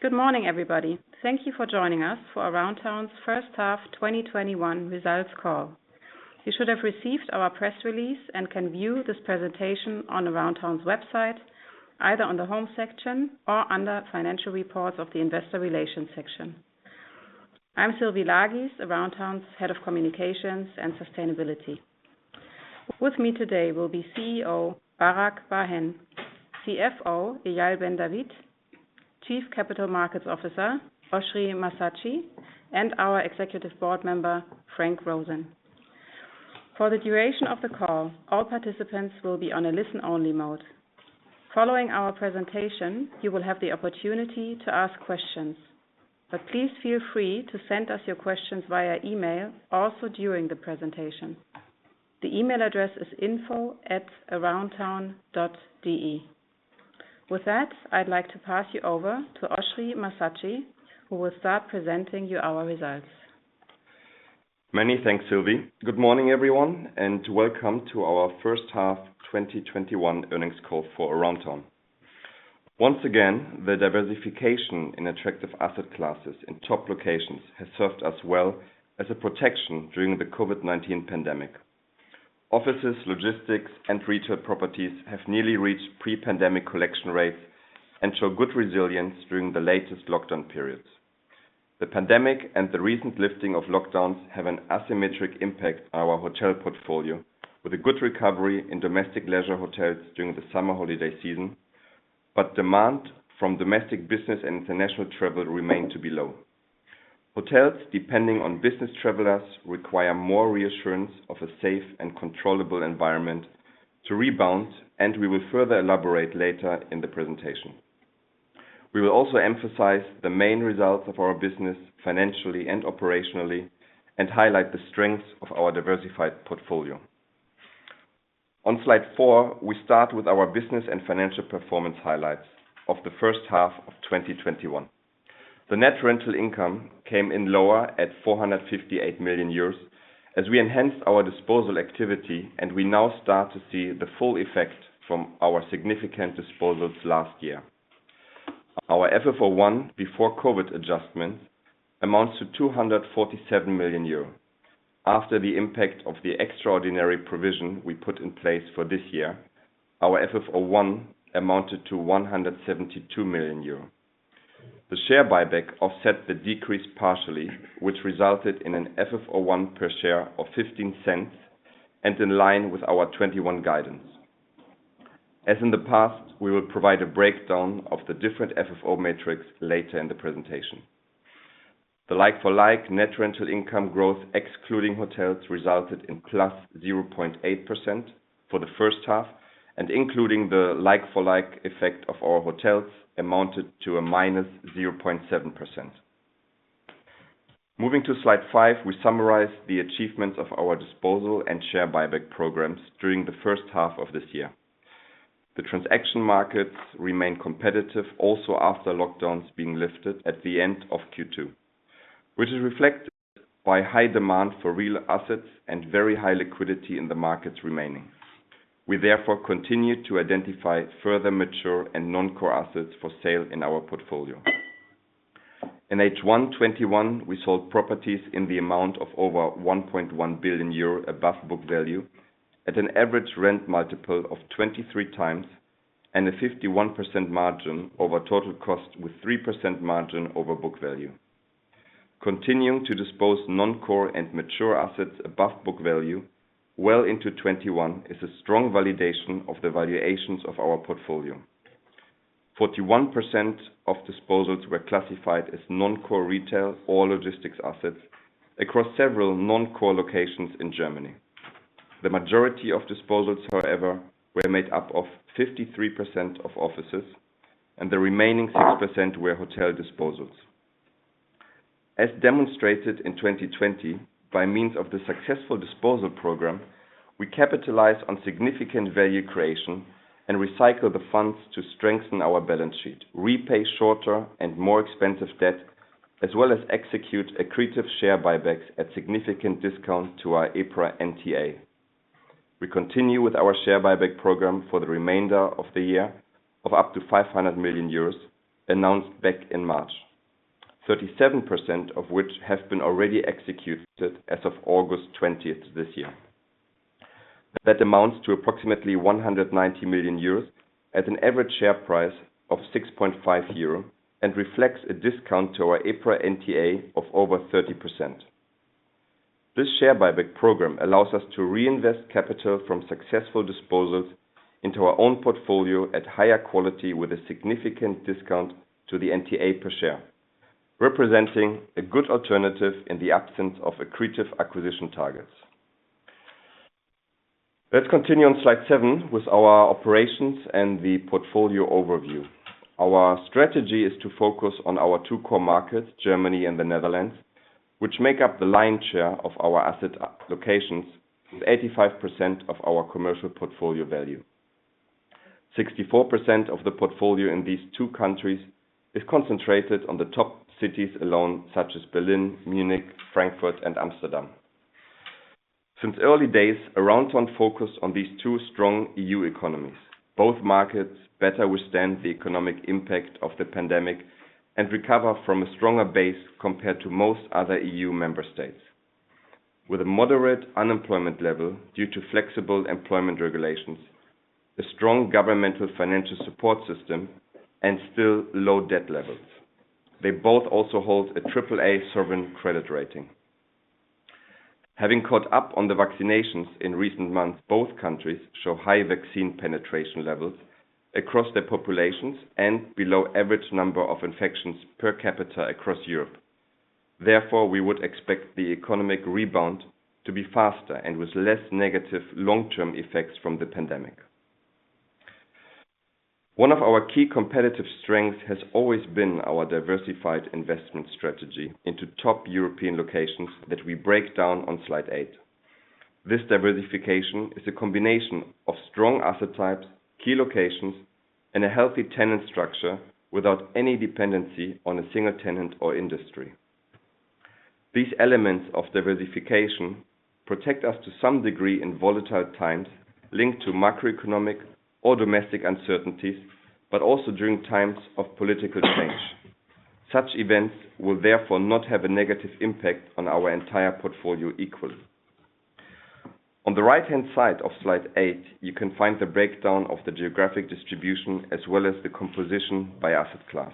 Good morning, everybody. Thank you for joining us for Aroundtown's first half 2021 results call. You should have received our press release and can view this presentation on Aroundtown's website, either on the home section or under financial reports of the investor relations section. I'm Sylvie Lagies, Aroundtown's Head of Communications and Sustainability. With me today will be CEO, Barak Bar-Hen, CFO, Eyal Ben David, Chief Capital Markets Officer, Oschrie Massatschi, and our Executive Board Member, Frank Roseen. For the duration of the call, all participants will be on a listen-only mode. Following our presentation, you will have the opportunity to ask questions, but please feel free to send us your questions via email also during the presentation. The email address is info@aroundtown.de. With that, I'd like to pass you over to Oschrie Massatschi, who will start presenting you our results. Many thanks, Sylvie. Good morning, everyone, and welcome to our first half 2021 earnings call for Aroundtown. Once again, the diversification in attractive asset classes in top locations has served us well as a protection during the COVID-19 pandemic. Offices, logistics, and retail properties have nearly reached pre-pandemic collection rates and show good resilience during the latest lockdown periods. The pandemic and the recent lifting of lockdowns have an asymmetric impact on our hotel portfolio, with a good recovery in domestic leisure hotels during the summer holiday season, but demand from domestic business and international travel remain to be low. Hotels depending on business travelers require more reassurance of a safe and controllable environment to rebound, and we will further elaborate later in the presentation. We will also emphasize the main results of our business financially and operationally and highlight the strengths of our diversified portfolio. On slide four, we start with our business and financial performance highlights of the first half of 2021. The net rental income came in lower at 458 million euros as we enhanced our disposal activity, and we now start to see the full effect from our significant disposals last year. Our FFO I before COVID-19 adjustments amounts to 247 million euros. After the impact of the extraordinary provision we put in place for this year, our FFO I amounted to 172 million euro. The share buyback offset the decrease partially, which resulted in an FFO I per share of 0.15 and in line with our 2021 guidance. As in the past, we will provide a breakdown of the different FFO metrics later in the presentation. The like-for-like net rental income growth excluding hotels resulted in plus 0.8% for the first half, and including the like-for-like effect of our hotels amounted to a minus 0.7%. Moving to slide five, we summarize the achievements of our disposal and share buyback programs during the first half of this year. The transaction markets remain competitive also after lockdowns being lifted at the end of Q2, which is reflected by high demand for real assets and very high liquidity in the markets remaining. We therefore continued to identify further mature and non-core assets for sale in our portfolio. In H1 2021, we sold properties in the amount of over 1.1 billion euro above book value at an average rent multiple of 23x and a 51% margin over total cost with 3% margin over book value. Continuing to dispose non-core and mature assets above book value well into 2021 is a strong validation of the valuations of our portfolio. 41% of disposals were classified as non-core retail or logistics assets across several non-core locations in Germany. The majority of disposals, however, were made up of 53% of offices and the remaining 6% were hotel disposals. As demonstrated in 2020 by means of the successful disposal program, we capitalize on significant value creation and recycle the funds to strengthen our balance sheet, repay shorter and more expensive debt, as well as execute accretive share buybacks at significant discount to our EPRA NTA. We continue with our share buyback program for the remainder of the year of up to 500 million euros announced back in March. 37% of which have been already executed as of August 20th this year. That amounts to approximately 190 million euros at an average share price of 6.5 euro and reflects a discount to our EPRA NTA of over 30%. This share buyback program allows us to reinvest capital from successful disposals into our own portfolio at higher quality with a significant discount to the NTA per share, representing a good alternative in the absence of accretive acquisition targets. Let's continue on slide seven with our operations and the portfolio overview. Our strategy is to focus on our two core markets, Germany and the Netherlands, which make up the lion's share of our asset locations with 85% of our commercial portfolio value. 64% of the portfolio in these two countries is concentrated on the top cities alone, such as Berlin, Munich, Frankfurt, and Amsterdam. Since early days, Aroundtown focused on these two strong EU economies. Both markets better withstand the economic impact of the pandemic and recover from a stronger base compared to most other EU member states. With a moderate unemployment level due to flexible employment regulations, a strong governmental financial support system, and still low debt levels. They both also hold a triple A sovereign credit rating. Having caught up on the vaccinations in recent months, both countries show high vaccine penetration levels across their populations and below average number of infections per capita across Europe. Therefore, we would expect the economic rebound to be faster and with less negative long-term effects from the pandemic. One of our key competitive strengths has always been our diversified investment strategy into top European locations that we break down on slide eight. This diversification is a combination of strong asset types, key locations, and a healthy tenant structure without any dependency on a single tenant or industry. These elements of diversification protect us to some degree in volatile times linked to macroeconomic or domestic uncertainties, but also during times of political change. Such events will therefore not have a negative impact on our entire portfolio equally. On the right-hand side of slide eight, you can find the breakdown of the geographic distribution as well as the composition by asset class.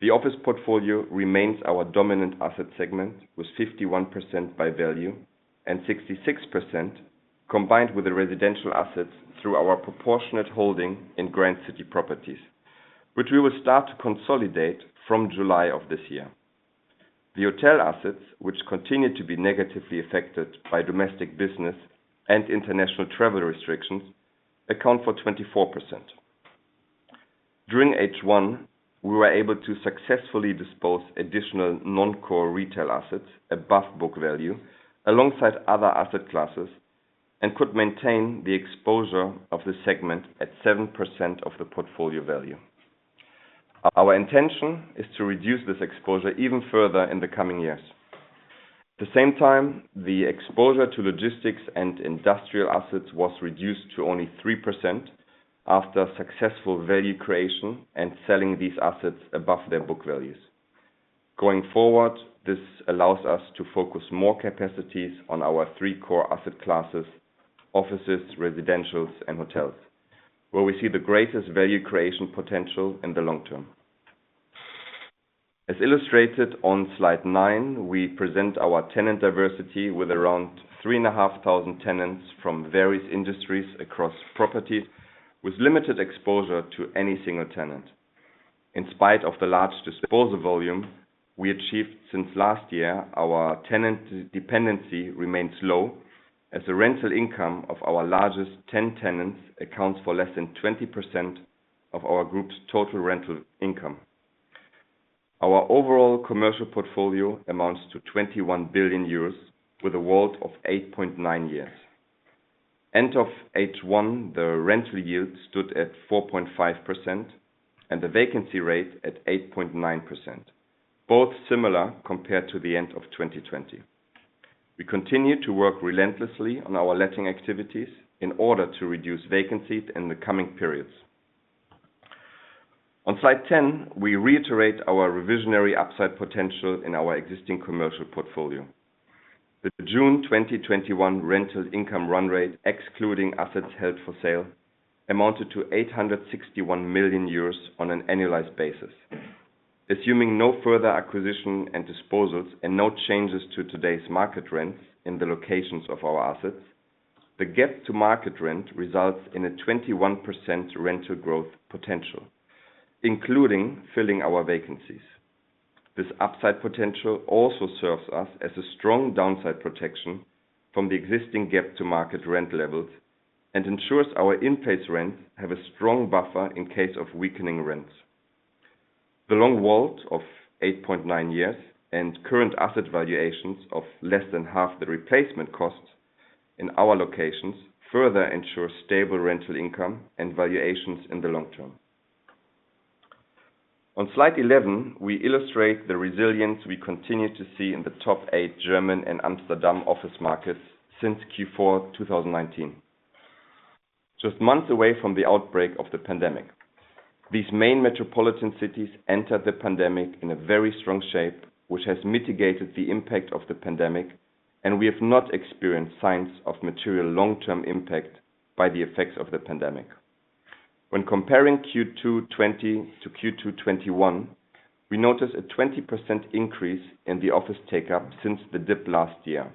The office portfolio remains our dominant asset segment with 51% by value and 66% combined with the residential assets through our proportionate holding in Grand City Properties, which we will start to consolidate from July of this year. The hotel assets, which continue to be negatively affected by domestic business and international travel restrictions, account for 24%. During H1, we were able to successfully dispose additional non-core retail assets above book value alongside other asset classes and could maintain the exposure of the segment at 7% of the portfolio value. Our intention is to reduce this exposure even further in the coming years. At the same time, the exposure to logistics and industrial assets was reduced to only 3% after successful value creation and selling these assets above their book values. Going forward, this allows us to focus more capacities on our three core asset classes: offices, residentials, and hotels, where we see the greatest value creation potential in the long term. As illustrated on slide nine, we present our tenant diversity with around 3,500 tenants from various industries across property with limited exposure to any single tenant. In spite of the large disposal volume we achieved since last year, our tenant dependency remains low as the rental income of our largest 10 tenants accounts for less than 20% of our group's total rental income. Our overall commercial portfolio amounts to 21 billion euros with a WALT of 8.9 years. End of H1, the rental yield stood at 4.5% and the vacancy rate at 8.9%, both similar compared to the end of 2020. We continue to work relentlessly on our letting activities in order to reduce vacancies in the coming periods. On slide 10, we reiterate our revisionary upside potential in our existing commercial portfolio. The June 2021 rental income run rate, excluding assets held for sale, amounted to 861 million euros on an annualized basis. Assuming no further acquisition and disposals and no changes to today's market rents in the locations of our assets, the gap to market rent results in a 21% rental growth potential, including filling our vacancies. This upside potential also serves us as a strong downside protection from the existing gap to market rent levels and ensures our in-place rents have a strong buffer in case of weakening rents. The long WALT of 8.9 years and current asset valuations of less than half the replacement costs in our locations further ensure stable rental income and valuations in the long term. On slide 11, we illustrate the resilience we continue to see in the top eight German and Amsterdam office markets since Q4 2019. Just months away from the outbreak of the pandemic, these main metropolitan cities entered the pandemic in a very strong shape, which has mitigated the impact of the pandemic, and we have not experienced signs of material long-term impact by the effects of the pandemic. When comparing Q2 2020 to Q2 2021, we notice a 20% increase in the office take-up since the dip last year.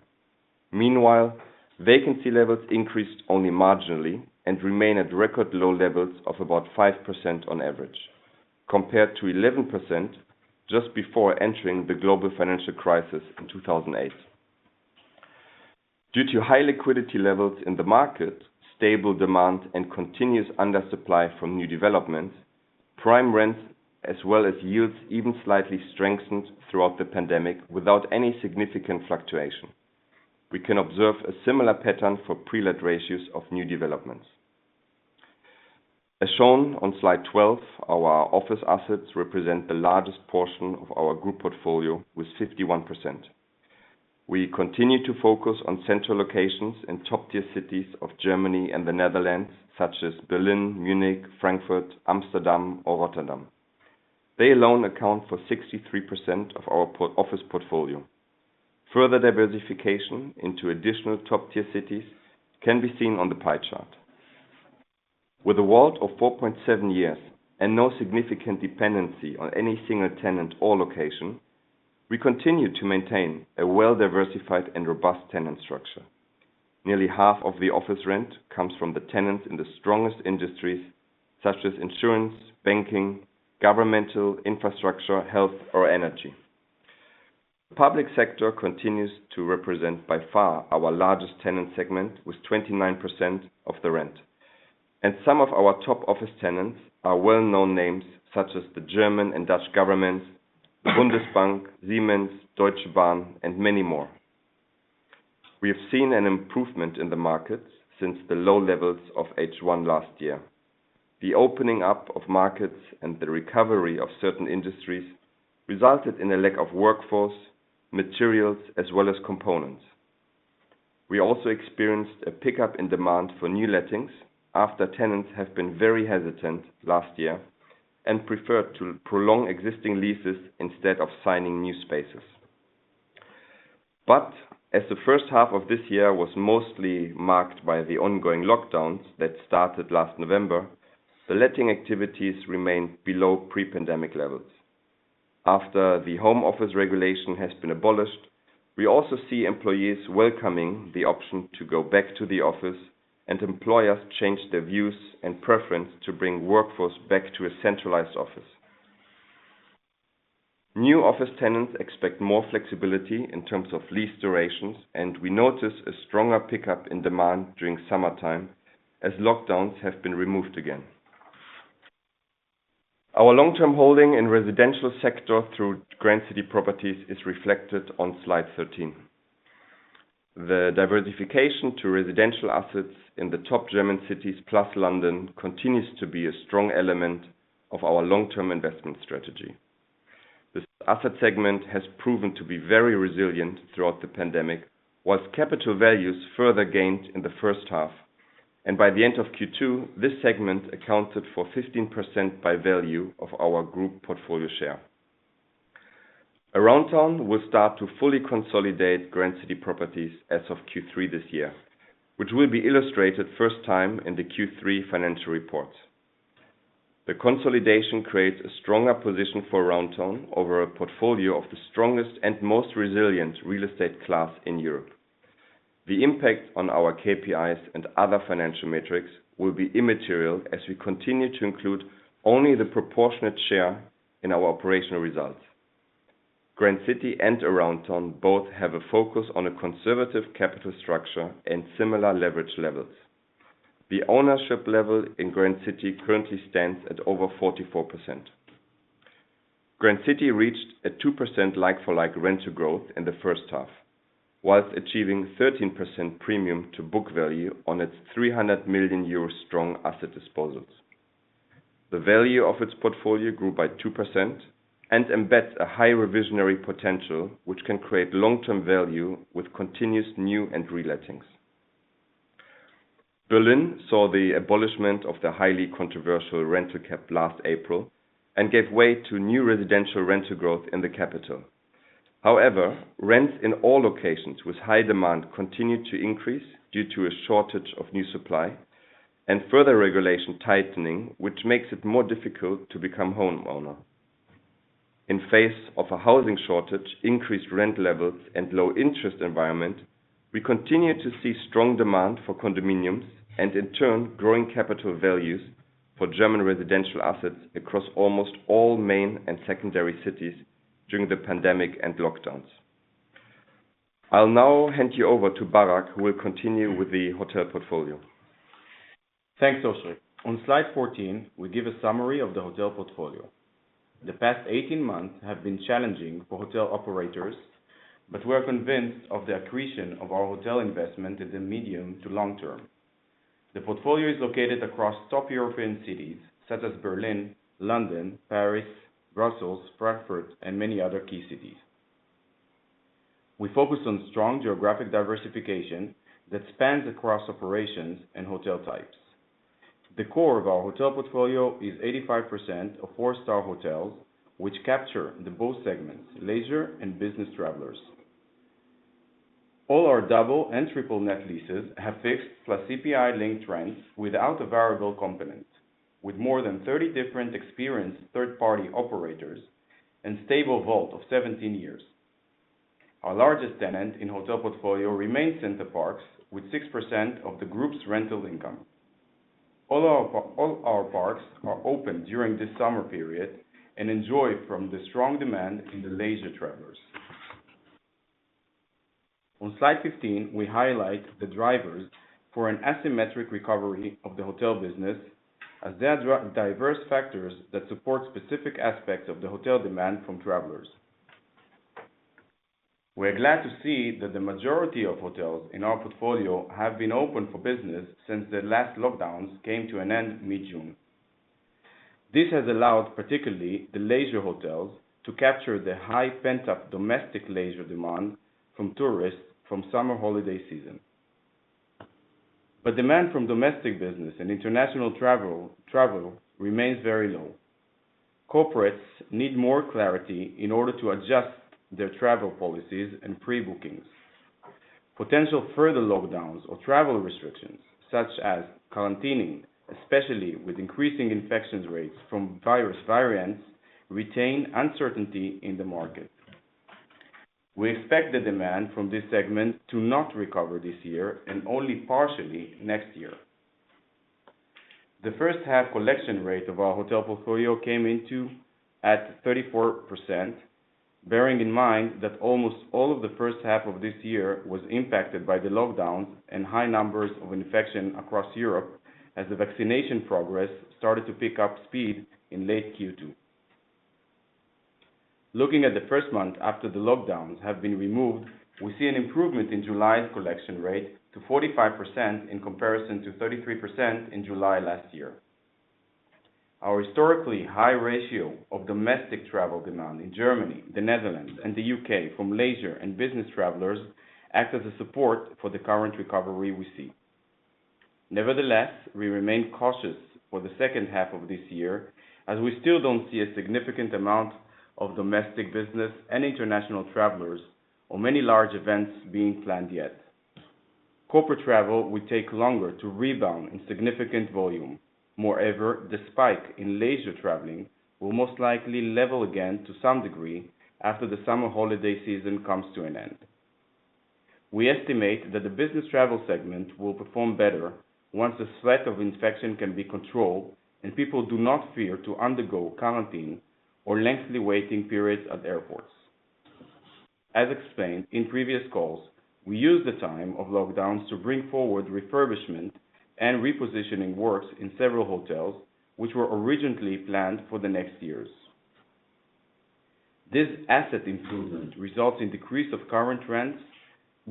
Vacancy levels increased only marginally and remain at record low levels of about 5% on average, compared to 11% just before entering the global financial crisis in 2008. Due to high liquidity levels in the market, stable demand, and continuous undersupply from new developments, prime rents as well as yields even slightly strengthened throughout the pandemic without any significant fluctuation. We can observe a similar pattern for pre-let ratios of new developments. As shown on slide 12, our office assets represent the largest portion of our group portfolio with 51%. We continue to focus on central locations in top-tier cities of Germany and the Netherlands, such as Berlin, Munich, Frankfurt, Amsterdam or Rotterdam. They alone account for 63% of our office portfolio. Further diversification into additional top-tier cities can be seen on the pie chart. With a WALT of 4.7 years and no significant dependency on any single tenant or location, we continue to maintain a well-diversified and robust tenant structure. Nearly half of the office rent comes from the tenants in the strongest industries such as insurance, banking, governmental, infrastructure, health or energy. Public sector continues to represent by far our largest tenant segment with 29% of the rent. Some of our top office tenants are well-known names such as the German and Dutch governments, the Bundesbank, Siemens, Deutsche Bahn and many more. We have seen an improvement in the markets since the low levels of H1 last year. The opening up of markets and the recovery of certain industries resulted in a lack of workforce, materials, as well as components. We also experienced a pickup in demand for new lettings after tenants have been very hesitant last year and preferred to prolong existing leases instead of signing new spaces. As the first half of this year was mostly marked by the ongoing lockdowns that started last November, the letting activities remained below pre-pandemic levels. After the home office regulation has been abolished, we also see employees welcoming the option to go back to the office and employers change their views and preference to bring workforce back to a centralized office. New office tenants expect more flexibility in terms of lease durations. We notice a stronger pickup in demand during summertime as lockdowns have been removed again. Our long-term holding in residential sector through Grand City Properties is reflected on slide 13. The diversification to residential assets in the top German cities plus London continues to be a strong element of our long-term investment strategy. This asset segment has proven to be very resilient throughout the pandemic, whilst capital values further gained in the first half. By the end of Q2, this segment accounted for 15% by value of our group portfolio share. Aroundtown will start to fully consolidate Grand City Properties as of Q3 this year, which will be illustrated first time in the Q3 financial report. The consolidation creates a stronger position for Aroundtown over a portfolio of the strongest and most resilient real estate class in Europe. The impact on our KPIs and other financial metrics will be immaterial as we continue to include only the proportionate share in our operational results. Grand City and Aroundtown both have a focus on a conservative capital structure and similar leverage levels. The ownership level in Grand City currently stands at over 44%. Grand City reached a 2% like-for-like rental growth in the first half, while achieving 13% premium to book value on its 300 million euro strong asset disposals. The value of its portfolio grew by 2% and embeds a high revisionary potential, which can create long-term value with continuous new and relettings. Berlin saw the abolishment of the highly controversial rental cap last April and gave way to new residential rental growth in the capital. However, rents in all locations with high demand continued to increase due to a shortage of new supply and further regulation tightening, which makes it more difficult to become homeowner. In face of a housing shortage, increased rent levels and low interest environment, we continue to see strong demand for condominiums and in turn, growing capital values for German residential assets across almost all main and secondary cities during the pandemic and lockdowns. I'll now hand you over to Barak, who will continue with the hotel portfolio. Thanks, Oschrie. On slide 14, we give a summary of the hotel portfolio. The past 18 months have been challenging for hotel operators, but we're convinced of the accretion of our hotel investment in the medium to long term. The portfolio is located across top European cities such as Berlin, London, Paris, Brussels, Frankfurt and many other key cities. We focus on strong geographic diversification that spans across operations and hotel types. The core of our hotel portfolio is 85% of 4-star hotels, which capture the both segments, leisure and business travelers. All our double and triple net leases have fixed plus CPI-linked rents without a variable component, with more than 30 different experienced third-party operators and stable WALT of 17 years. Our largest tenant in hotel portfolio remains Center Parcs with 6% of the group's rental income. All our parks are open during this summer period and enjoy from the strong demand in the leisure travelers. On slide 15, we highlight the drivers for an asymmetric recovery of the hotel business as there are diverse factors that support specific aspects of the hotel demand from travelers. We're glad to see that the majority of hotels in our portfolio have been open for business since the last lockdowns came to an end mid-June. This has allowed particularly the leisure hotels to capture the high pent-up domestic leisure demand from tourists from summer holiday season. Demand from domestic business and international travel remains very low. Corporates need more clarity in order to adjust their travel policies and pre-bookings. Potential further lockdowns or travel restrictions, such as quarantining, especially with increasing infections rates from virus variants, retain uncertainty in the market. We expect the demand from this segment to not recover this year, and only partially next year. The first half collection rate of our hotel portfolio came into at 34%, bearing in mind that almost all of the first half of this year was impacted by the lockdowns and high numbers of infection across Europe as the vaccination progress started to pick up speed in late Q2. Looking at the first month after the lockdowns have been removed, we see an improvement in July's collection rate to 45% in comparison to 33% in July last year. Our historically high ratio of domestic travel demand in Germany, the Netherlands, and the U.K. from leisure and business travelers act as a support for the current recovery we see. Nevertheless, we remain cautious for the second half of this year as we still don't see a significant amount of domestic business and international travelers or many large events being planned yet. Corporate travel will take longer to rebound in significant volume. Moreover, the spike in leisure traveling will most likely level again to some degree after the summer holiday season comes to an end. We estimate that the business travel segment will perform better once the threat of infection can be controlled and people do not fear to undergo quarantine or lengthy waiting periods at airports. As explained in previous calls, we used the time of lockdowns to bring forward refurbishment and repositioning works in several hotels, which were originally planned for the next years. This asset improvement results in decrease of current rents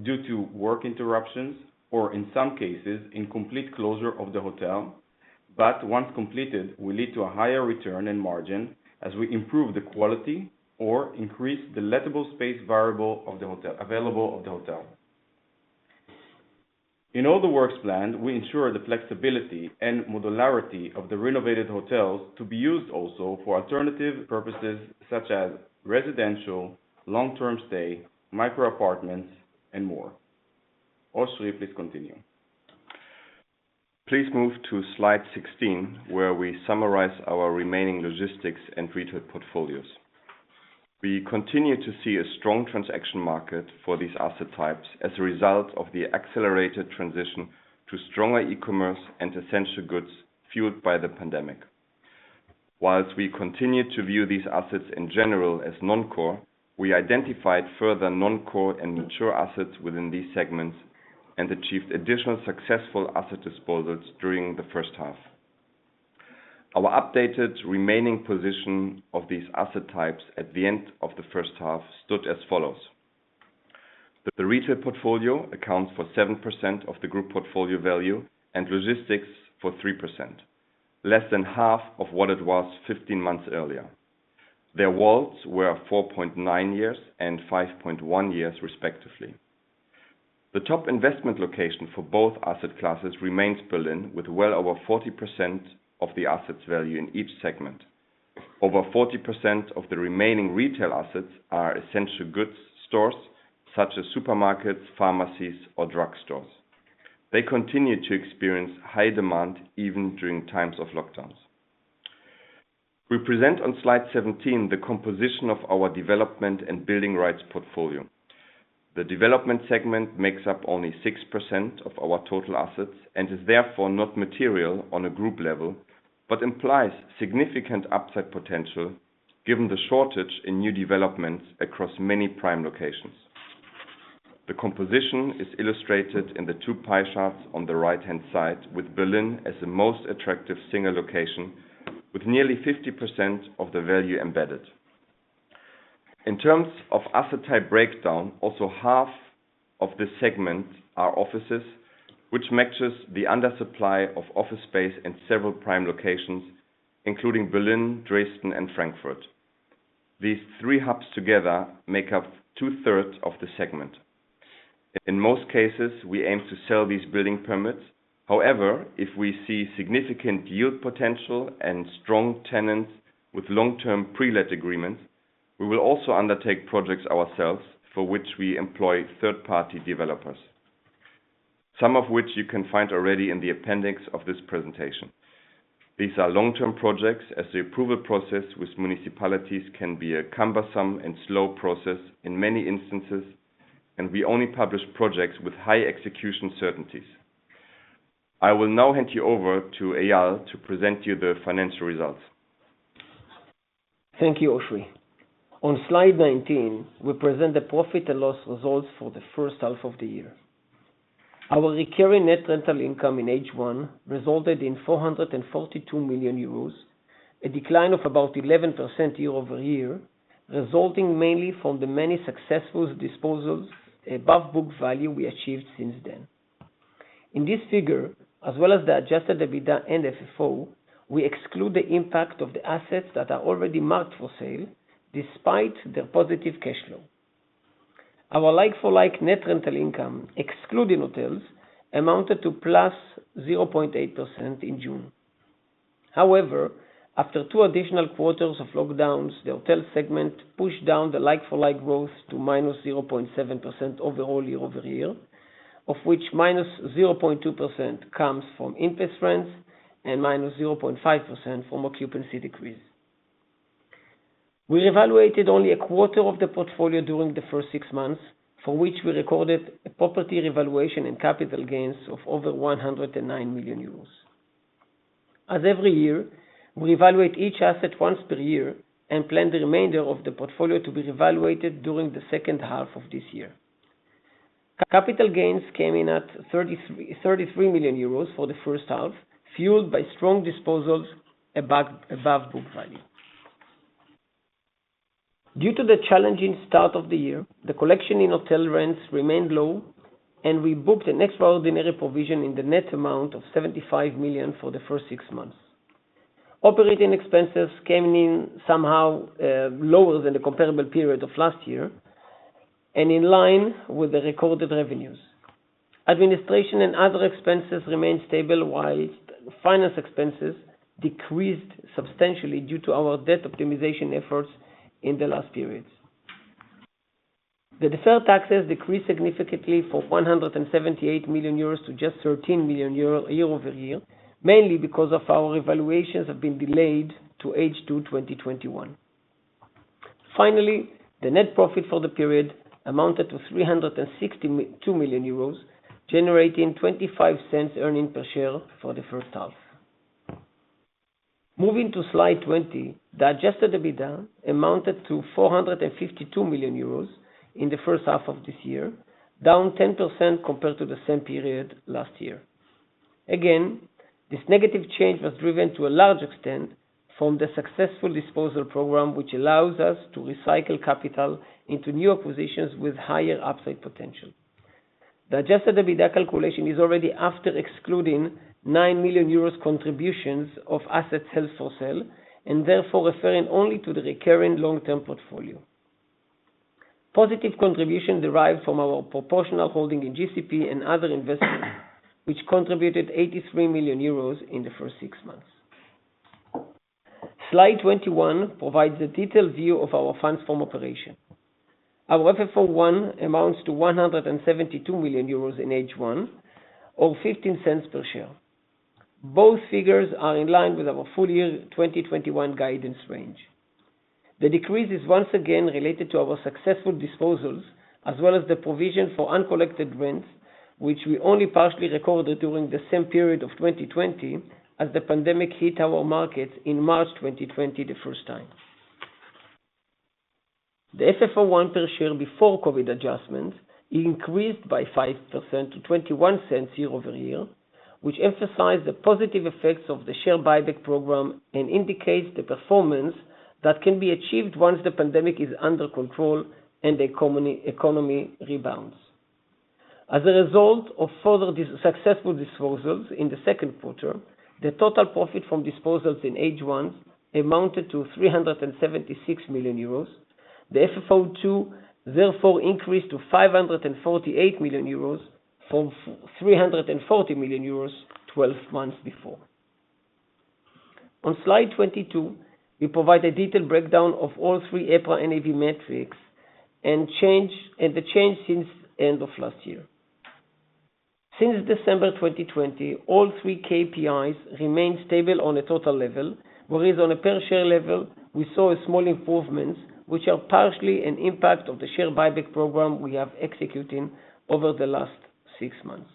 due to work interruptions, or in some cases, in complete closure of the hotel, but once completed, will lead to a higher return in margin as we improve the quality or increase the lettable space variable of the hotel. In all the works planned, we ensure the flexibility and modularity of the renovated hotels to be used also for alternative purposes such as residential, long-term stay, micro apartments, and more. Oschrie, please continue. Please move to Slide 16, where we summarize our remaining logistics and retail portfolios. We continue to see a strong transaction market for these asset types as a result of the accelerated transition to stronger e-commerce and essential goods fueled by the pandemic. Whilst we continue to view these assets in general as non-core, we identified further non-core and mature assets within these segments and achieved additional successful asset disposals during the first half. Our updated remaining position of these asset types at the end of the first half stood as follows. The retail portfolio accounts for 7% of the group portfolio value and logistics for 3%, less than half of what it was 15 months earlier. Their WALT were 4.9 years and 5.1 years respectively. The top investment location for both asset classes remains Berlin, with well over 40% of the assets' value in each segment. Over 40% of the remaining retail assets are essential goods stores, such as supermarkets, pharmacies, or drugstores. They continue to experience high demand even during times of lockdowns. We present on Slide 17 the composition of our development and building rights portfolio. The development segment makes up only 6% of our total assets and is therefore not material on a group level, but implies significant upside potential given the shortage in new developments across many prime locations. The composition is illustrated in the two pie charts on the right-hand side, with Berlin as the one most attractive single location with nearly 50% of the value embedded. In terms of asset type breakdown, also half of this segment are offices, which matches the undersupply of office space in several prime locations, including Berlin, Dresden, and Frankfurt. These three hubs together make up 2/3 of the segment. In most cases, we aim to sell these building permits. If we see significant yield potential and strong tenants with long-term pre-let agreements, we will also undertake projects ourselves, for which we employ third-party developers, some of which you can find already in the appendix of this presentation. These are long-term projects as the approval process with municipalities can be a cumbersome and slow process in many instances, and we only publish projects with high execution certainties. I will now hand you over to Eyal to present you the financial results. Thank you, Oschrie. On Slide 19, we present the profit and loss results for the first half of the year. Our recurring net rental income in H1 resulted in 442 million euros, a decline of about 11% year-over-year, resulting mainly from the many successful disposals above book value we achieved since then. In this figure, as well as the adjusted EBITDA and FFO, we exclude the impact of the assets that are already marked for sale despite their positive cash flow. Our like-for-like net rental income, excluding hotels, amounted to +0.8% in June. After two additional quarters of lockdowns, the hotel segment pushed down the like-for-like growth to -0.7% overall year-over-year, of which -0.2% comes from in-place rents and -0.5% from occupancy decrease. We evaluated only a quarter of the portfolio during the first six months, for which we recorded a property revaluation and capital gains of over 109 million euros. As every year, we evaluate each asset once per year and plan the remainder of the portfolio to be evaluated during the second half of this year. Capital gains came in at 33 million euros for the first half, fueled by strong disposals above book value. Due to the challenging start of the year, the collection in hotel rents remained low, and we booked an extraordinary provision in the net amount of 75 million for the first six months. Operating expenses came in somehow lower than the comparable period of last year, and in line with the recorded revenues. Administration and other expenses remained stable, while finance expenses decreased substantially due to our debt optimization efforts in the last periods. The deferred taxes decreased significantly from 178 million euros to just 13 million euros year-over-year, mainly because of our evaluations have been delayed to H2 2021. Finally, the net profit for the period amounted to 362 million euros, generating 0.25 earning per share for the first half. Moving to slide 20, the adjusted EBITDA amounted to 452 million euros in the first half of this year, down 10% compared to the same period last year. This negative change was driven to a large extent from the successful disposal program, which allows us to recycle capital into new positions with higher upside potential. The adjusted EBITDA calculation is already after excluding 9 million euros contributions of assets held for sale, therefore referring only to the recurring long-term portfolio. Positive contribution derived from our proportional holding in GCP and other investments, which contributed 83 million euros in the first six months. Slide 21 provides a detailed view of our funds from operation. Our FFO I amounts to 172 million euros in H1, or 0.15 per share. Both figures are in line with our full year 2021 guidance range. The decrease is once again related to our successful disposals, as well as the provision for uncollected rents, which we only partially recorded during the same period of 2020 as the pandemic hit our markets in March 2020 the first time. The FFO I per share before COVID adjustments increased by 5% to 0.21 year-over-year, which emphasize the positive effects of the share buyback program and indicates the performance that can be achieved once the pandemic is under control and the economy rebounds. As a result of further successful disposals in the second quarter, the total profit from disposals in H1 amounted to 376 million euros. The FFO II therefore increased to 548 million euros from 340 million euros 12 months before. On slide 22, we provide a detailed breakdown of all three EPRA NAV metrics and the change since end of last year. Since December 2020, all three KPIs remained stable on a total level, whereas on a per share level, we saw a small improvement, which are partially an impact of the share buyback program we are executing over the last six months.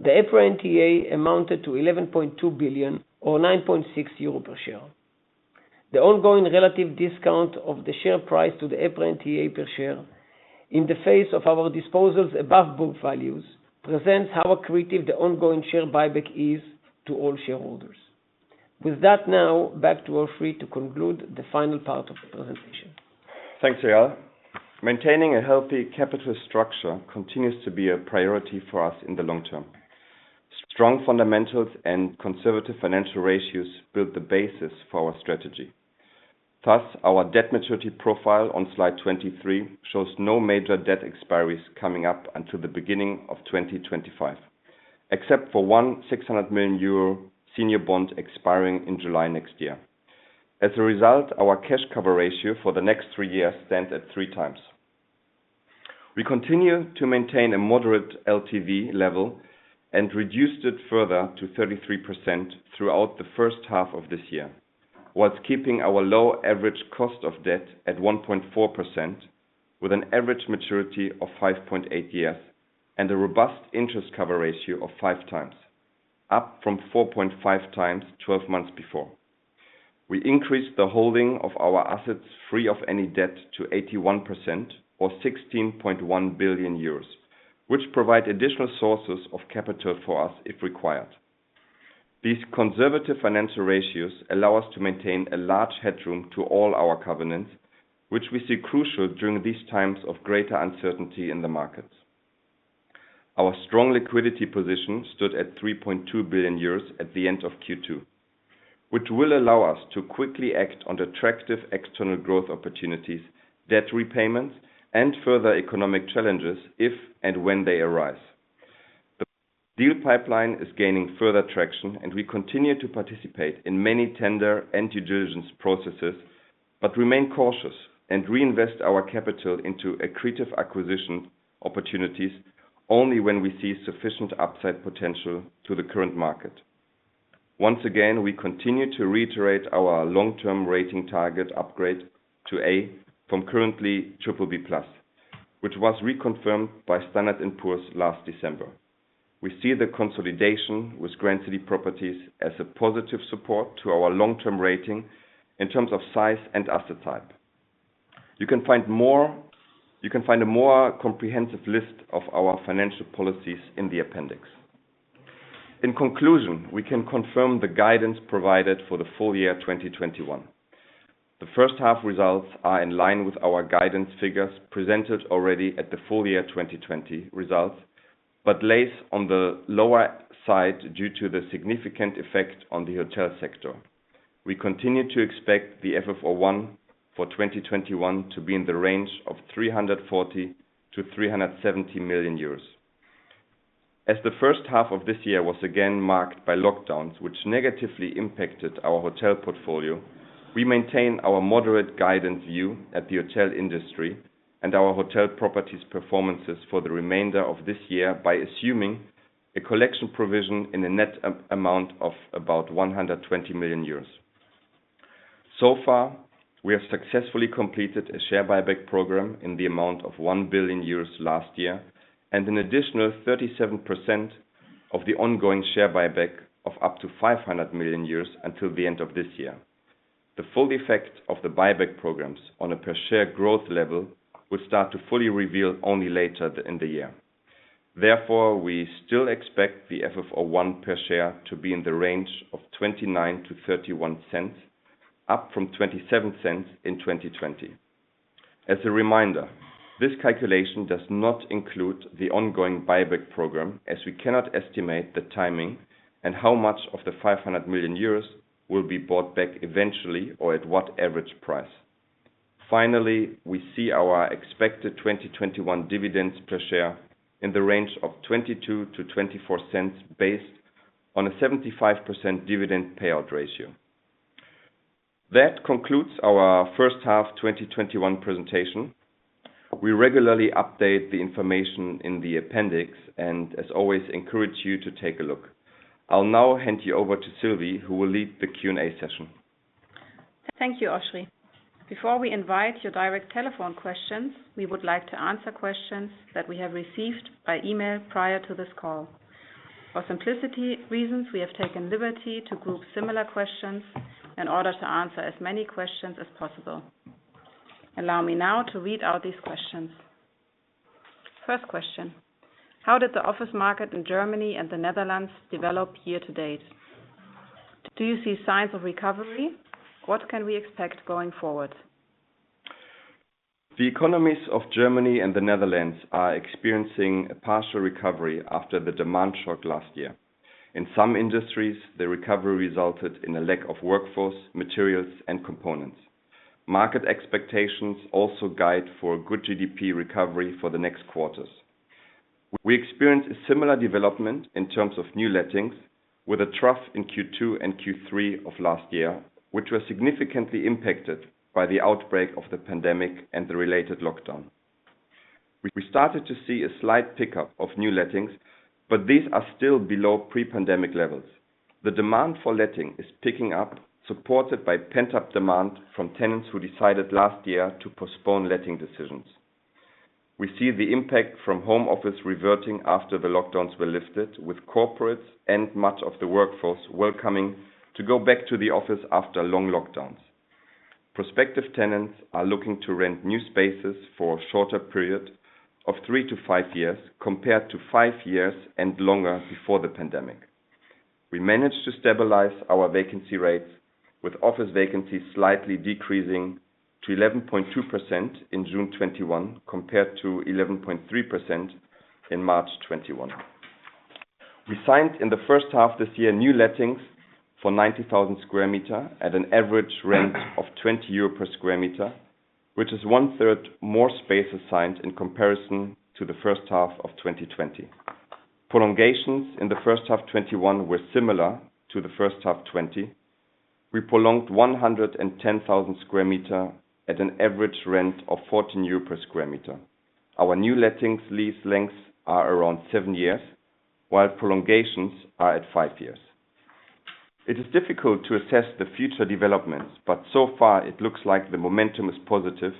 The EPRA NTA amounted to 11.2 billion or 9.6 euro per share. The ongoing relative discount of the share price to the EPRA NTA per share in the face of our disposals above book values presents how accretive the ongoing share buyback is to all shareholders. With that now, back to Oschrie to conclude the final part of the presentation. Thanks, Eyal. Maintaining a healthy capital structure continues to be a priority for us in the long term. Strong fundamentals and conservative financial ratios build the basis for our strategy. Thus, our debt maturity profile on slide 23 shows no major debt expiries coming up until the beginning of 2025, except for one 600 million euro senior bond expiring in July next year. As a result, our cash cover ratio for the next three years stands at 3x. We continue to maintain a moderate LTV level and reduced it further to 33% throughout the first half of this year, whilst keeping our low average cost of debt at 1.4% with an average maturity of 5.8 years and a robust interest cover ratio of 5x, up from 4.5x 12 months before. We increased the holding of our assets free of any debt to 81%, or 16.1 billion euros, which provide additional sources of capital for us if required. These conservative financial ratios allow us to maintain a large headroom to all our covenants, which we see crucial during these times of greater uncertainty in the markets. Our strong liquidity position stood at 3.2 billion euros at the end of Q2, which will allow us to quickly act on attractive external growth opportunities, debt repayments, and further economic challenges if and when they arise. The deal pipeline is gaining further traction, and we continue to participate in many tender and due diligence processes, but remain cautious and reinvest our capital into accretive acquisition opportunities only when we see sufficient upside potential to the current market. Once again, we continue to reiterate our long-term rating target upgrade to A from currently BBB+, which was reconfirmed by Standard & Poor's last December. We see the consolidation with Grand City Properties as a positive support to our long-term rating in terms of size and asset type. You can find a more comprehensive list of our financial policies in the appendix. In conclusion, we can confirm the guidance provided for the full year 2021. The first half results are in line with our guidance figures presented already at the full year 2020 results, but lays on the lower side due to the significant effect on the hotel sector. We continue to expect the FFO I for 2021 to be in the range of 340 million-370 million euros. As the first half of this year was again marked by lockdowns, which negatively impacted our hotel portfolio, we maintain our moderate guidance view at the hotel industry and our hotel properties performances for the remainder of this year by assuming a collection provision in a net amount of about 120 million euros. We have successfully completed a share buyback program in the amount of 1 billion euros last year, and an additional 37% of the ongoing share buyback of up to 500 million euros until the end of this year. The full effect of the buyback programs on a per share growth level will start to fully reveal only later in the year. Therefore, we still expect the FFO I per share to be in the range of 0.29-0.31, up from 0.27 in 2020. As a reminder, this calculation does not include the ongoing buyback program, as we cannot estimate the timing and how much of the 500 million euros will be bought back eventually or at what average price. Finally, we see our expected 2021 dividends per share in the range of 0.22-0.24 based on a 75% dividend payout ratio. That concludes our first half 2021 presentation. We regularly update the information in the appendix and, as always, encourage you to take a look. I'll now hand you over to Sylvie, who will lead the Q&A session. Thank you, Oschrie. Before we invite your direct telephone questions, we would like to answer questions that we have received by email prior to this call. For simplicity reasons, we have taken liberty to group similar questions in order to answer as many questions as possible. Allow me now to read out these questions. First question: How did the office market in Germany and the Netherlands develop year to date? Do you see signs of recovery? What can we expect going forward? The economies of Germany and the Netherlands are experiencing a partial recovery after the demand shock last year. In some industries, the recovery resulted in a lack of workforce, materials, and components. Market expectations also guide for good GDP recovery for the next quarters. We experienced a similar development in terms of new lettings with a trough in Q2 and Q3 of last year, which was significantly impacted by the outbreak of the pandemic and the related lockdown. We started to see a slight pickup of new lettings, but these are still below pre-pandemic levels. The demand for letting is picking up, supported by pent-up demand from tenants who decided last year to postpone letting decisions. We see the impact from home office reverting after the lockdowns were lifted with corporates and much of the workforce welcoming to go back to the office after long lockdowns. Prospective tenants are looking to rent new spaces for a shorter period of three to five years, compared to five years and longer before the pandemic. We managed to stabilize our vacancy rates with office vacancies slightly decreasing to 11.2% in June 2021, compared to 11.3% in March 2021. We signed in the first half this year new lettings for 90,000 sq m at an average rent of 20 euro per sq m, which is 1/3 more space assigned in comparison to the first half of 2020. Prolongations in the first half 2021 were similar to the first half 2020. We prolonged 110,000 sq m at an average rent of 14 euro per sq m. Our new lettings lease lengths are around seven years, while prolongations are at five years. It is difficult to assess the future developments, but so far it looks like the momentum is positive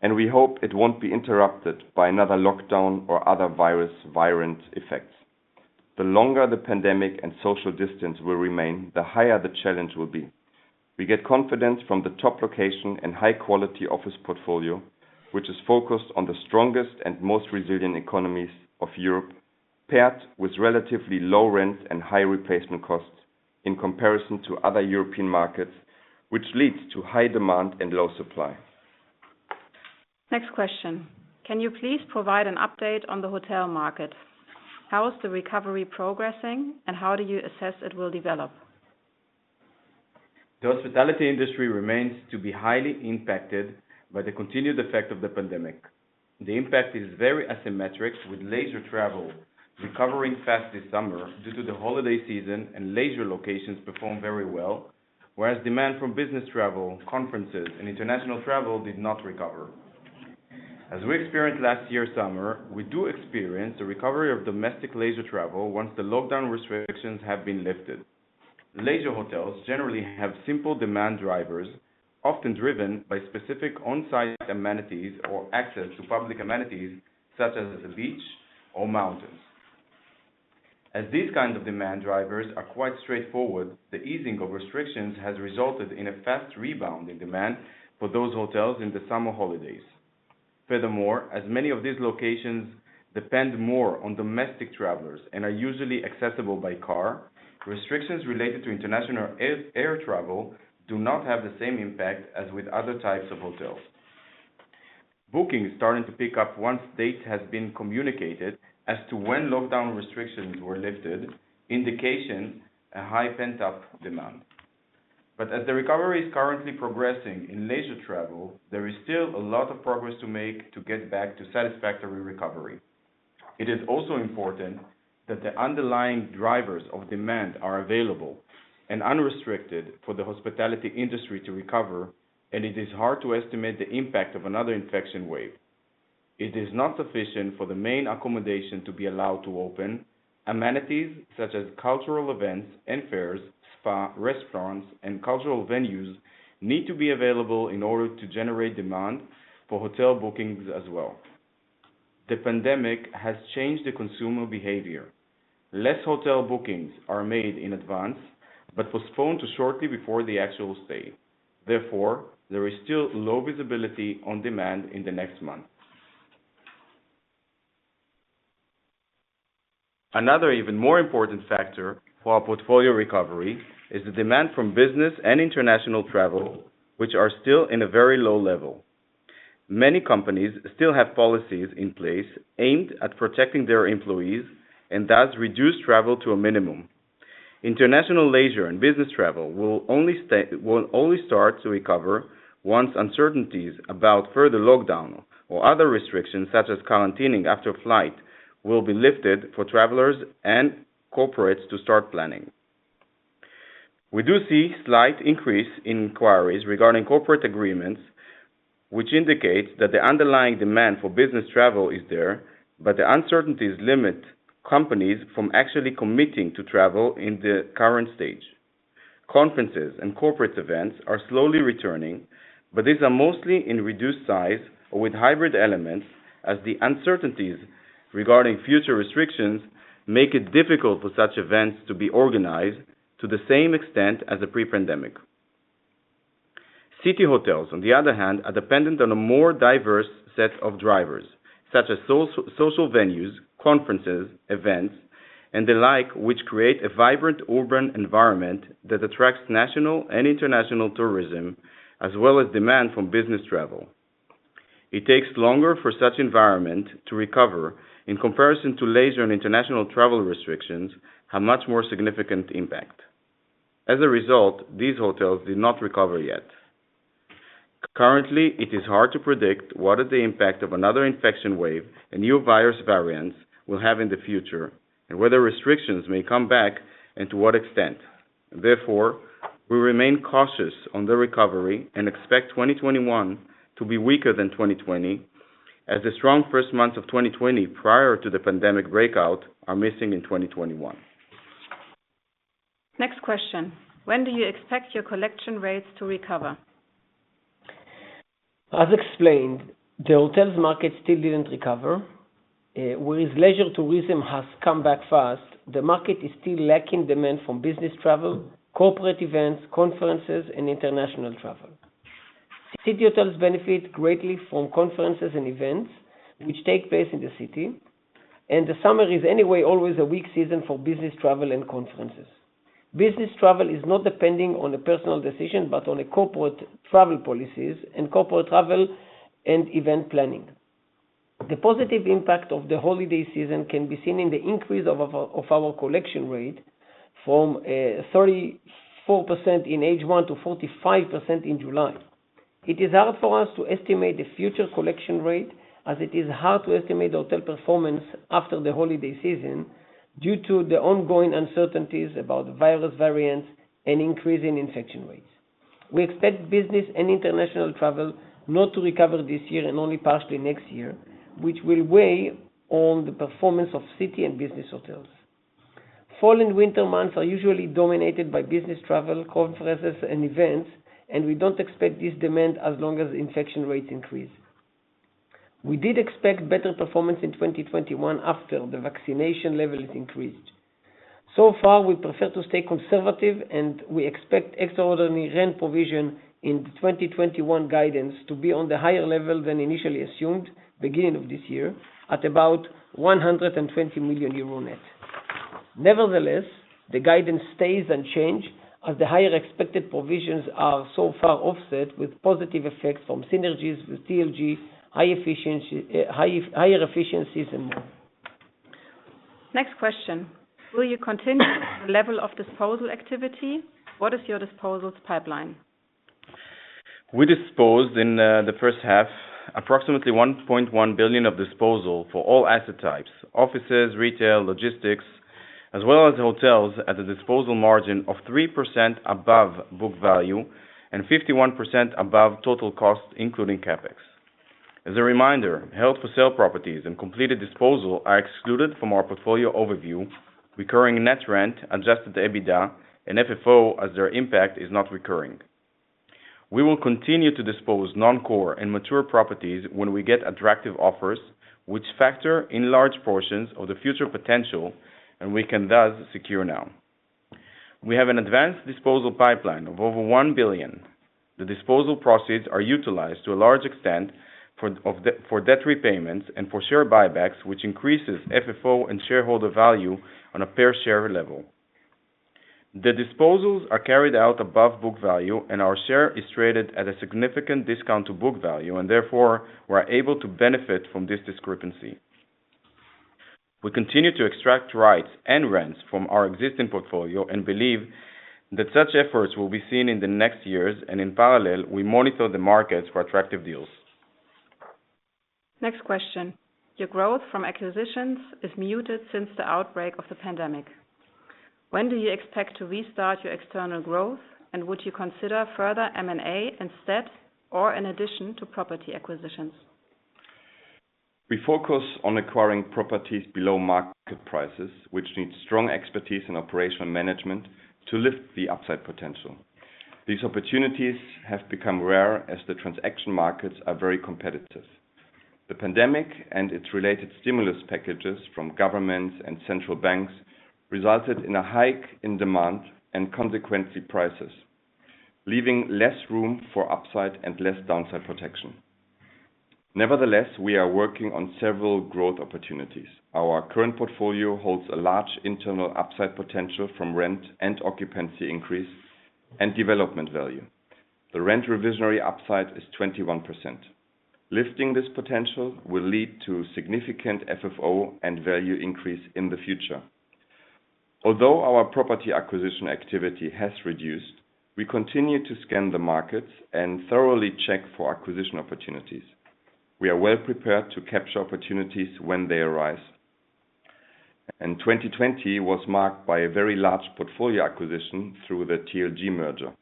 and we hope it won't be interrupted by another lockdown or other virus variant effects. The longer the pandemic and social distance will remain, the higher the challenge will be. We get confidence from the top location and high-quality office portfolio, which is focused on the strongest and most resilient economies of Europe, paired with relatively low rent and high replacement costs in comparison to other European markets, which leads to high demand and low supply. Next question. Can you please provide an update on the hotel market? How is the recovery progressing, and how do you assess it will develop? The hospitality industry remains to be highly impacted by the continued effect of the pandemic. The impact is very asymmetric, with leisure travel recovering fast this summer due to the holiday season, and leisure locations perform very well. Whereas demand from business travel, conferences, and international travel did not recover. As we experienced last year summer, we do experience a recovery of domestic leisure travel once the lockdown restrictions have been lifted. Leisure hotels generally have simple demand drivers, often driven by specific on-site amenities or access to public amenities such as the beach or mountains. As these kinds of demand drivers are quite straightforward, the easing of restrictions has resulted in a fast rebound in demand for those hotels in the summer holidays. Furthermore, as many of these locations depend more on domestic travelers and are usually accessible by car, restrictions related to international air travel do not have the same impact as with other types of hotels. Booking is starting to pick up once date has been communicated as to when lockdown restrictions were lifted, indicating a high pent-up demand. As the recovery is currently progressing in leisure travel, there is still a lot of progress to make to get back to satisfactory recovery. It is also important that the underlying drivers of demand are available and unrestricted for the hospitality industry to recover, and it is hard to estimate the impact of another infection wave. It is not sufficient for the main accommodation to be allowed to open. Amenities such as cultural events and fairs, spa, restaurants, and cultural venues need to be available in order to generate demand for hotel bookings as well. The pandemic has changed the consumer behavior. Less hotel bookings are made in advance but postponed to shortly before the actual stay. Therefore, there is still low visibility on demand in the next month. Another even more important factor for our portfolio recovery is the demand from business and international travel, which are still in a very low level. Many companies still have policies in place aimed at protecting their employees and thus reduce travel to a minimum. International leisure and business travel will only start to recover once uncertainties about further lockdown or other restrictions, such as quarantining after flight, will be lifted for travelers and corporates to start planning. We do see slight increase in inquiries regarding corporate agreements, which indicates that the underlying demand for business travel is there, but the uncertainties limit companies from actually committing to travel in the current stage. Conferences and corporate events are slowly returning, but these are mostly in reduced size or with hybrid elements, as the uncertainties regarding future restrictions make it difficult for such events to be organized to the same extent as the pre-pandemic. City hotels, on the other hand, are dependent on a more diverse set of drivers, such as social venues, conferences, events, and the like, which create a vibrant urban environment that attracts national and international tourism, as well as demand from business travel. It takes longer for such environment to recover in comparison to leisure and international travel restrictions have much more significant impact. As a result, these hotels did not recover yet. Currently, it is hard to predict what are the impact of another infection wave a new virus variants will have in the future, and whether restrictions may come back and to what extent. Therefore, we remain cautious on the recovery and expect 2021 to be weaker than 2020 as the strong first months of 2020 prior to the pandemic breakout are missing in 2021. Next question. When do you expect your collection rates to recover? As explained, the hotels market still didn't recover. Whereas leisure tourism has come back fast, the market is still lacking demand from business travel, corporate events, conferences, and international travel. City hotels benefit greatly from conferences and events which take place in the city, and the summer is anyway always a weak season for business travel and conferences. Business travel is not depending on a personal decision, but on a corporate travel policies and corporate travel and event planning. The positive impact of the holiday season can be seen in the increase of our collection rate from 34% in H1 to 45% in July. It is hard for us to estimate the future collection rate, as it is hard to estimate hotel performance after the holiday season due to the ongoing uncertainties about virus variants and increase in infection rates. We expect business and international travel not to recover this year and only partially next year, which will weigh on the performance of city and business hotels. Fall and winter months are usually dominated by business travel, conferences, and events. We don't expect this demand as long as infection rates increase. We did expect better performance in 2021 after the vaccination levels increased. So far, we prefer to stay conservative, and we expect extraordinary rent provision in the 2021 guidance to be on the higher level than initially assumed beginning of this year, at about 120 million euro net. Nevertheless, the guidance stays unchanged, as the higher expected provisions are so far offset with positive effects from synergies with TLG, higher efficiencies, and more. Next question. Will you continue the level of disposal activity? What is your disposals pipeline? We disposed in the first half approximately 1.1 billion of disposal for all asset types, offices, retail, logistics, as well as hotels at a disposal margin of 3% above book value and 51% above total cost, including CapEx. As a reminder, held for sale properties and completed disposal are excluded from our portfolio overview, recurring net rent, adjusted EBITDA, and FFO as their impact is not recurring. We will continue to dispose non-core and mature properties when we get attractive offers, which factor in large portions of the future potential, and we can thus secure now. We have an advanced disposal pipeline of over 1 billion. The disposal proceeds are utilized to a large extent for debt repayments and for share buybacks, which increases FFO and shareholder value on a per share level. The disposals are carried out above book value, and our share is traded at a significant discount to book value, and therefore, we are able to benefit from this discrepancy. We continue to extract rights and rents from our existing portfolio and believe that such efforts will be seen in the next years, and in parallel, we monitor the markets for attractive deals. Next question. Your growth from acquisitions is muted since the outbreak of the pandemic. When do you expect to restart your external growth? Would you consider further M&A instead, or in addition to property acquisitions? We focus on acquiring properties below market prices, which needs strong expertise in operational management to lift the upside potential. These opportunities have become rare as the transaction markets are very competitive. The pandemic and its related stimulus packages from governments and central banks resulted in a hike in demand, and consequently, prices, leaving less room for upside and less downside protection. Nevertheless, we are working on several growth opportunities. Our current portfolio holds a large internal upside potential from rent and occupancy increase and development value. The rent revisionary upside is 21%. Lifting this potential will lead to significant FFO and value increase in the future. Although our property acquisition activity has reduced, we continue to scan the markets and thoroughly check for acquisition opportunities. We are well prepared to capture opportunities when they arise. 2020 was marked by a very large portfolio acquisition through the TLG merger.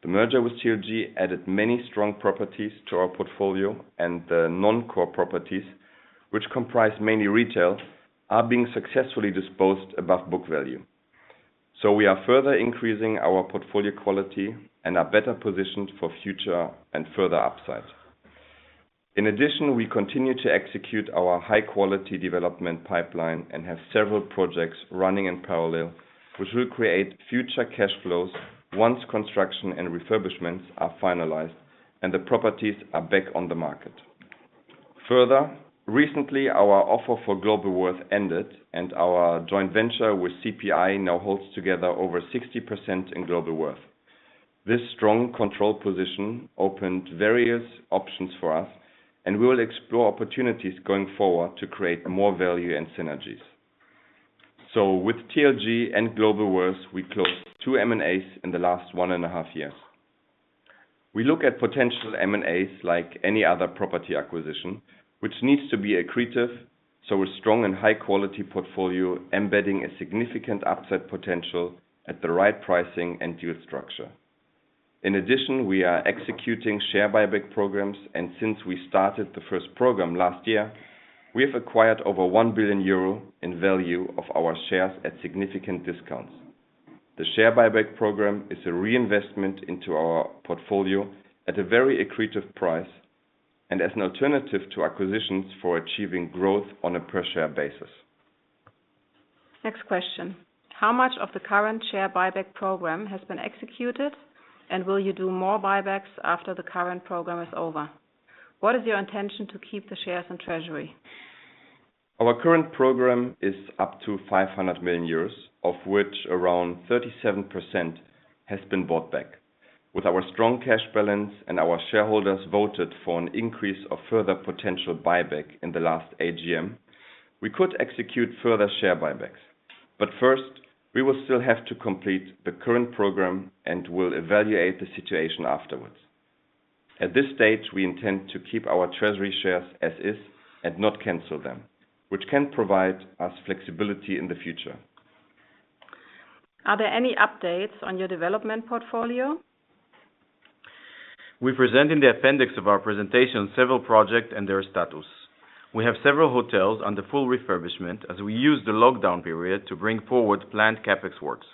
The merger with TLG added many strong properties to our portfolio, and the non-core properties, which comprise mainly retail, are being successfully disposed above book value. We are further increasing our portfolio quality and are better positioned for future and further upside. In addition, we continue to execute our high-quality development pipeline and have several projects running in parallel, which will create future cash flows once construction and refurbishments are finalized and the properties are back on the market. Further, recently our offer for Globalworth ended, and our joint venture with CPI now holds together over 60% in Globalworth. This strong control position opened various options for us, and we will explore opportunities going forward to create more value and synergies. With TLG and Globalworth, we closed two M&As in the last one and a half years. We look at potential M&As like any other property acquisition, which needs to be accretive, so a strong and high quality portfolio embedding a significant upside potential at the right pricing and deal structure. In addition, we are executing share buyback programs, and since we started the first program last year, we have acquired over 1 billion euro in value of our shares at significant discounts. The share buyback program is a reinvestment into our portfolio at a very accretive price and as an alternative to acquisitions for achieving growth on a per share basis. Next question. How much of the current share buyback program has been executed, and will you do more buybacks after the current program is over? What is your intention to keep the shares in treasury? Our current program is up to 500 million euros, of which around 37% has been bought back. With our strong cash balance and our shareholders voted for an increase of further potential buyback in the last AGM, we could execute further share buybacks. First, we will still have to complete the current program and will evaluate the situation afterwards. At this stage, we intend to keep our treasury shares as is and not cancel them, which can provide us flexibility in the future. Are there any updates on your development portfolio? We present in the appendix of our presentation several projects and their status. We have several hotels under full refurbishment as we use the lockdown period to bring forward planned CapEx works.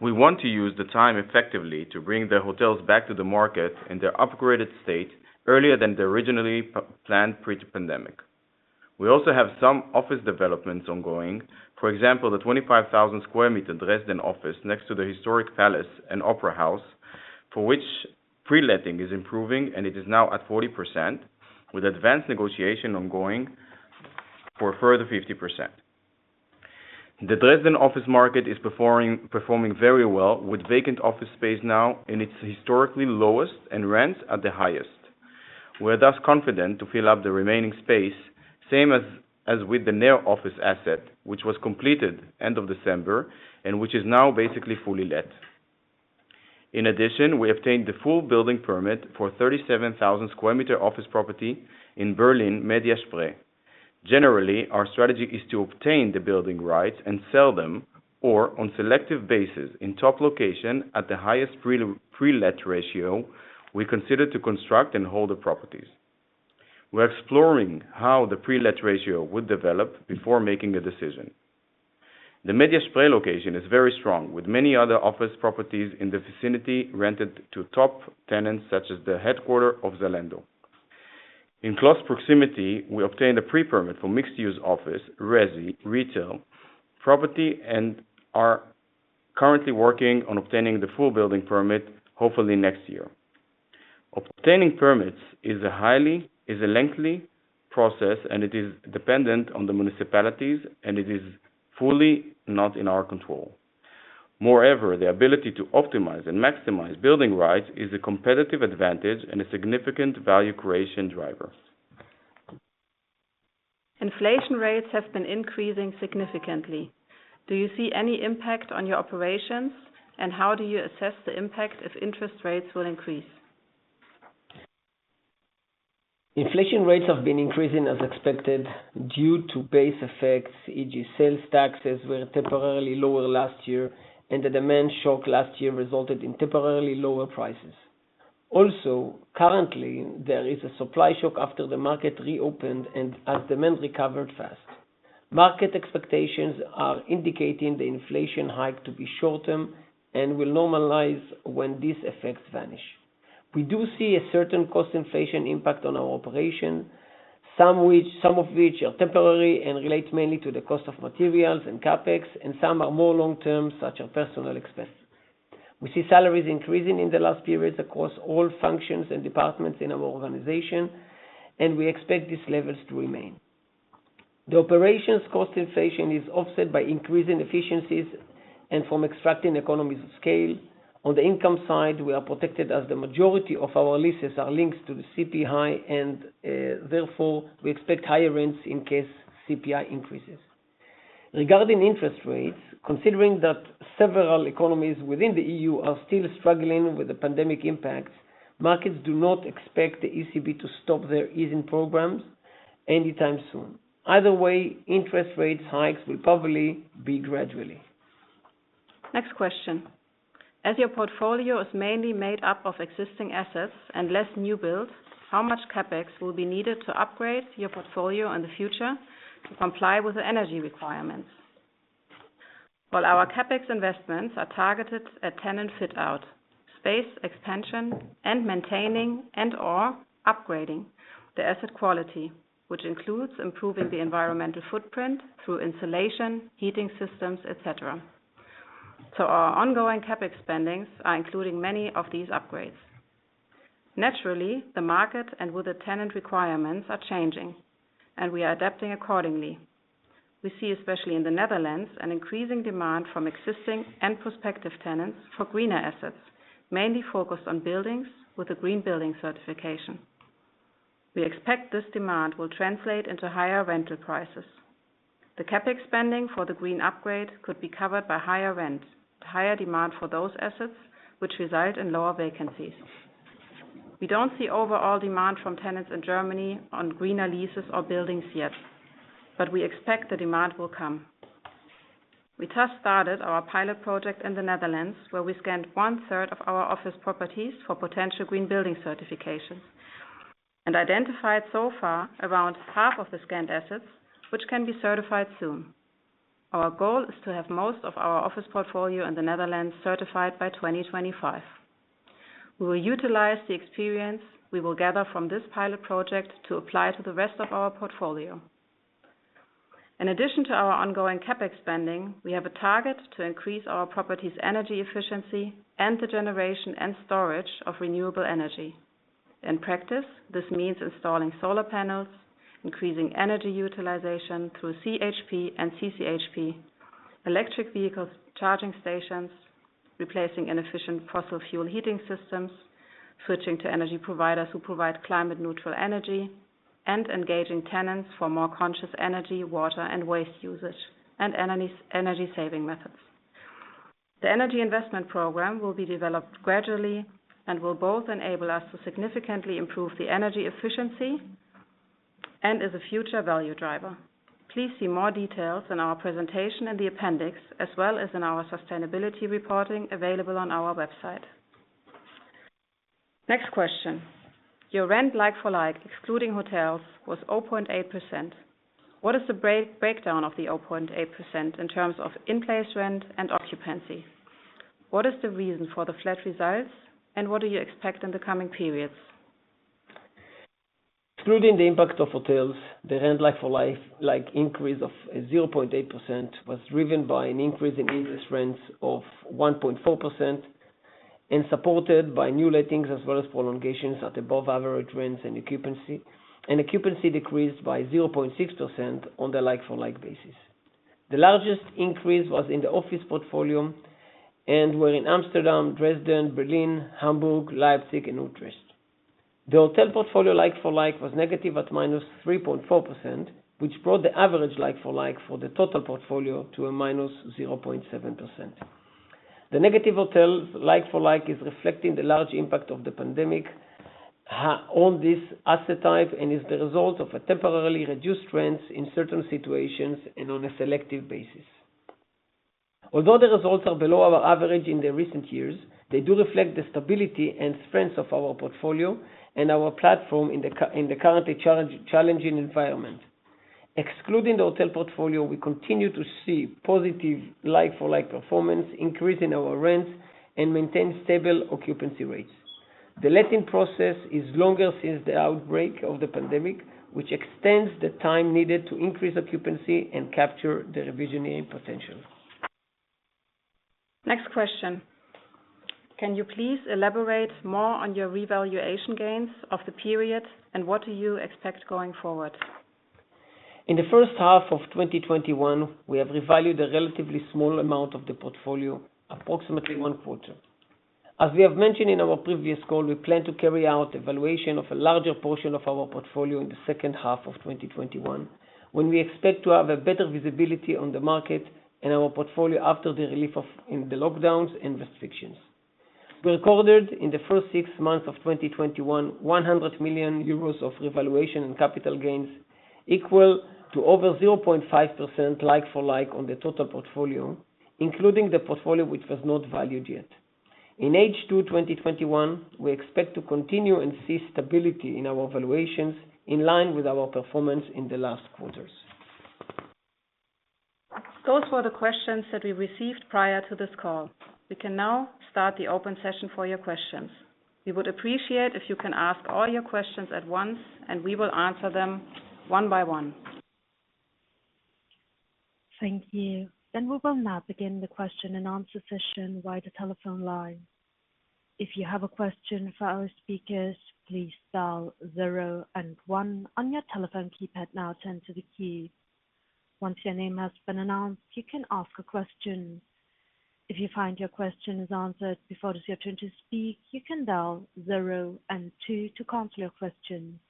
We want to use the time effectively to bring the hotels back to the market in their upgraded state earlier than the originally planned pre-pandemic. We also have some office developments ongoing. For example, the 25,000 sq m Dresden office next to the historic palace and opera house, for which pre-letting is improving, and it is now at 40%, with advanced negotiation ongoing for a further 50%. The Dresden office market is performing very well, with vacant office space now in its historically lowest and rents at the highest. We are thus confident to fill up the remaining space, same as with the NEO office asset, which was completed end of December and which is now basically fully let. We obtained the full building permit for 37,000 sq m office property in Berlin Mediaspree. Our strategy is to obtain the building rights and sell them, or on selective basis in top location at the highest pre-let ratio, we consider to construct and hold the properties. We are exploring how the pre-let ratio would develop before making a decision. The Mediaspree location is very strong, with many other office properties in the vicinity rented to top tenants such as the headquarter of Zalando. We obtained a pre-permit for mixed use office, resi, retail, property, and are currently working on obtaining the full building permit, hopefully next year. Obtaining permits is a lengthy process, and it is dependent on the municipalities, and it is fully not in our control. Moreover, the ability to optimize and maximize building rights is a competitive advantage and a significant value creation driver. Inflation rates have been increasing significantly. Do you see any impact on your operations, and how do you assess the impact if interest rates will increase? Inflation rates have been increasing as expected due to base effects. e.g., sales taxes were temporarily lower last year, and the demand shock last year resulted in temporarily lower prices. Also, currently, there is a supply shock after the market reopened and as demand recovered fast. Market expectations are indicating the inflation hike to be short term and will normalize when these effects vanish. We do see a certain cost inflation impact on our operation, some of which are temporary and relate mainly to the cost of materials and CapEx, and some are more long term, such are personal expense. We see salaries increasing in the last periods across all functions and departments in our organization, and we expect these levels to remain. The operations cost inflation is offset by increasing efficiencies and from extracting economies of scale. On the income side, we are protected as the majority of our leases are linked to the CPI and, therefore, we expect higher rents in case CPI increases. Regarding interest rates, considering that several economies within the EU are still struggling with the pandemic impacts, markets do not expect the ECB to stop their easing programs anytime soon. Either way, interest rates hikes will probably be gradually. Next question. As your portfolio is mainly made up of existing assets and less new builds, how much CapEx will be needed to upgrade your portfolio in the future to comply with the energy requirements? Our CapEx investments are targeted at tenant fit-out, space expansion, and maintaining and/or upgrading the asset quality, which includes improving the environmental footprint through insulation, heating systems, et cetera. Our ongoing CapEx spendings are including many of these upgrades. Naturally, the market and with the tenant requirements are changing, and we are adapting accordingly. We see, especially in the Netherlands, an increasing demand from existing and prospective tenants for greener assets, mainly focused on buildings with a green building certification. We expect this demand will translate into higher rental prices. The CapEx spending for the green upgrade could be covered by higher rent, higher demand for those assets, which result in lower vacancies. We don't see overall demand from tenants in Germany on greener leases or buildings yet. We expect the demand will come. We just started our pilot project in the Netherlands, where we scanned 1/3 of our office properties for potential green building certifications and identified so far around half of the scanned assets, which can be certified soon. Our goal is to have most of our office portfolio in the Netherlands certified by 2025. We will utilize the experience we will gather from this pilot project to apply to the rest of our portfolio. In addition to our ongoing CapEx spending, we have a target to increase our property's energy efficiency and the generation and storage of renewable energy. In practice, this means installing solar panels, increasing energy utilization through CHP and CCHP, electric vehicles charging stations, replacing inefficient fossil fuel heating systems, switching to energy providers who provide climate neutral energy, and engaging tenants for more conscious energy, water, and waste usage and energy saving methods. The Energy Investment Program will be developed gradually and will both enable us to significantly improve the energy efficiency and as a future value driver. Please see more details in our presentation in the appendix, as well as in our sustainability reporting available on our website. Next question. Your rent like-for-like, excluding hotels, was 0.8%. What is the breakdown of the 0.8% in terms of in-place rent and occupancy? What is the reason for the flat results, and what do you expect in the coming periods? Excluding the impact of hotels, the rent like-for-like increase of 0.8% was driven by an increase in in-place rents of 1.4% and supported by new lettings as well as prolongations at above average rents and occupancy. Occupancy decreased by 0.6% on the like-for-like basis. The largest increase was in the office portfolio and were in Amsterdam, Dresden, Berlin, Hamburg, Leipzig and Utrecht. The hotel portfolio like-for-like was negative at -3.4%, which brought the average like-for-like for the total portfolio to a -0.7%. The negative hotels like-for-like is reflecting the large impact of the pandemic on this asset type, and is the result of a temporarily reduced rents in certain situations and on a selective basis. Although the results are below our average in the recent years, they do reflect the stability and strength of our portfolio and our platform in the currently challenging environment. Excluding the hotel portfolio, we continue to see positive like-for-like performance increase in our rents and maintain stable occupancy rates. The letting process is longer since the outbreak of the pandemic, which extends the time needed to increase occupancy and capture the revisioning potential. Next question. Can you please elaborate more on your revaluation gains of the period, and what do you expect going forward? In the first half of 2021, we have revalued a relatively small amount of the portfolio, approximately one quarter. As we have mentioned in our previous call, we plan to carry out evaluation of a larger portion of our portfolio in the second half of 2021, when we expect to have a better visibility on the market and our portfolio after the relief in the lockdowns and restrictions. We recorded in the first six months of 2021, 100 million euros of revaluation and capital gains equal to over 0.5% like-for-like on the total portfolio, including the portfolio which was not valued yet. In H2 2021, we expect to continue and see stability in our valuations in line with our performance in the last quarters. Those were the questions that we received prior to this call. We can now start the open session for your questions. We would appreciate if you can ask all your questions at once, and we will answer them one by one. Thank you. We will now begin the question-and-answer session via the telephone line. If you have a question for our speakers, please dial zero and one on your telephone keypad now to enter the queue. Once your name has been announced, you can ask a question. If you find your question is answered before it is your turn to speak, you can dial zero and two to cancel your question.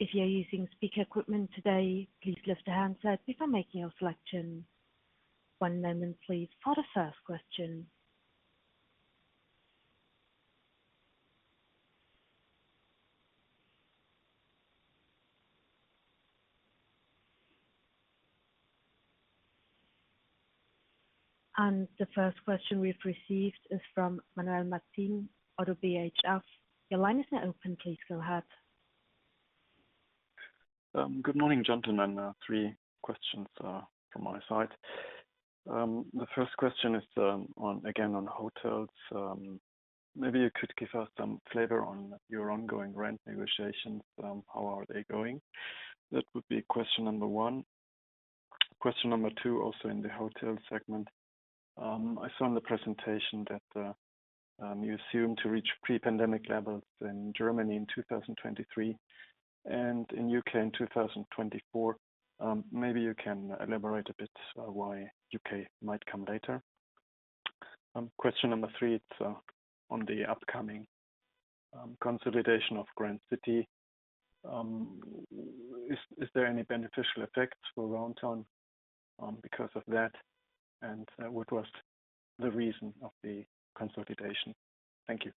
If you are using speaker equipment today, please lift the handset before making your selection. One moment please for the first question. The first question we've received is from Manuel Martin, ODDO BHF. Your line is now open. Please go ahead. Good morning, gentlemen. Three questions from my side. The first question is, again, on hotels. Maybe you could give us some flavor on your ongoing rent negotiations. How are they going? That would be question number one. Question number two, also in the hotel segment. I saw in the presentation that you assume to reach pre-pandemic levels in Germany in 2023 and in U.K. in 2024. Maybe you can elaborate a bit why U.K. might come later. Question number three, it's on the upcoming consolidation of Grand City. Is there any beneficial effects for Aroundtown because of that? What was the reason of the consolidation? Thank you.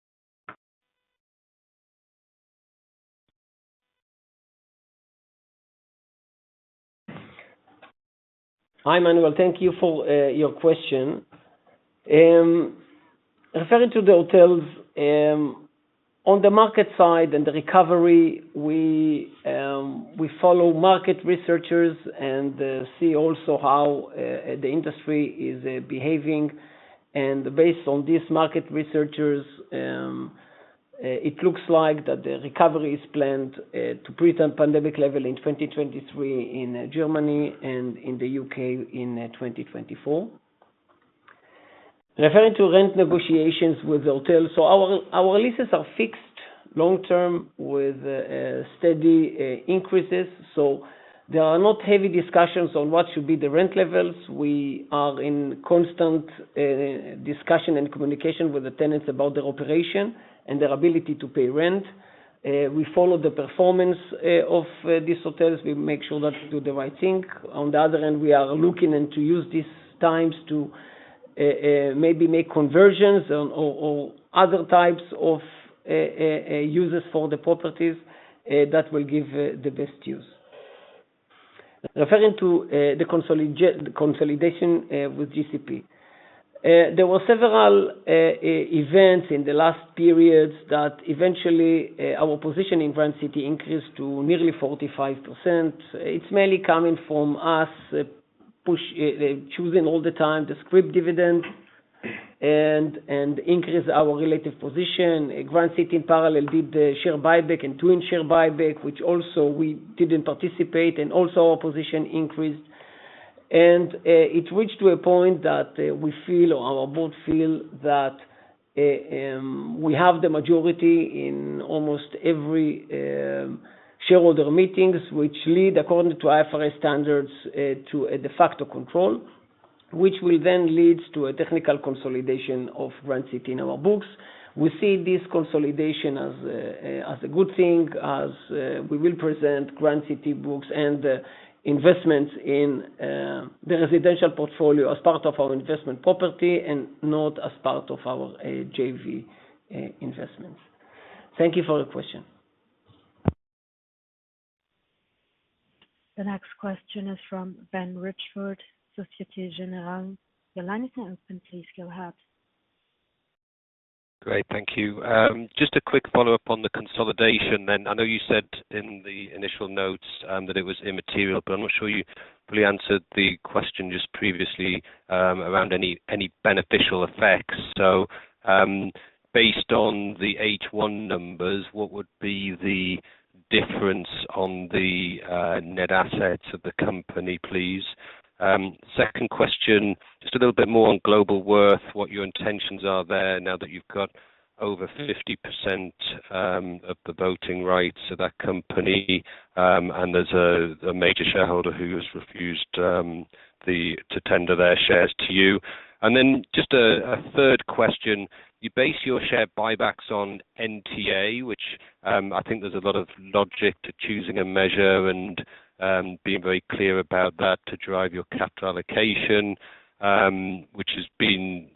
Hi, Manuel. Thank you for your question. Referring to the hotels, on the market side and the recovery, we follow market researchers and see also how the industry is behaving. Based on these market researchers, it looks like that the recovery is planned to pre-pandemic level in 2023 in Germany and in the U.K. in 2024. Referring to rent negotiations with hotels, our leases are fixed long-term with steady increases. There are not heavy discussions on what should be the rent levels. We are in constant discussion and communication with the tenants about their operation and their ability to pay rent. We follow the performance of these hotels. We make sure that we do the right thing. On the other hand, we are looking into use these times to maybe make conversions or other types of uses for the properties that will give the best use. Referring to the consolidation with GCP. There were several events in the last periods that eventually our position in Grand City increased to nearly 45%. It's mainly coming from us choosing all the time to scrip dividends and increase our relative position. Grand City in parallel did a share buyback and twin share buyback, which also we didn't participate in, also our position increased. It reached to a point that we feel, or our board feel that we have the majority in almost every shareholder meetings, which lead, according to IFRS standards, to a de facto control, which will then lead to a technical consolidation of Grand City in our books. We see this consolidation as a good thing, as we will present Grand City books and investments in the residential portfolio as part of our investment property, and not as part of our JV investments. Thank you for the question. The next question is from Ben Richford, Societe Generale. Your line is open, please, go ahead. Great. Thank you. Just a quick follow-up on the consolidation. I know you said in the initial notes that it was immaterial, but I'm not sure you fully answered the question just previously around any beneficial effects. Based on the H1 numbers, what would be the difference on the net assets of the company, please? Second question, just a little bit more on Globalworth, what your intentions are there now that you've got over 50% of the voting rights of that company, and there's a major shareholder who has refused to tender their shares to you. Just a third question. You base your share buybacks on NTA, which I think there's a lot of logic to choosing a measure and being very clear about that to drive your capital allocation, which has been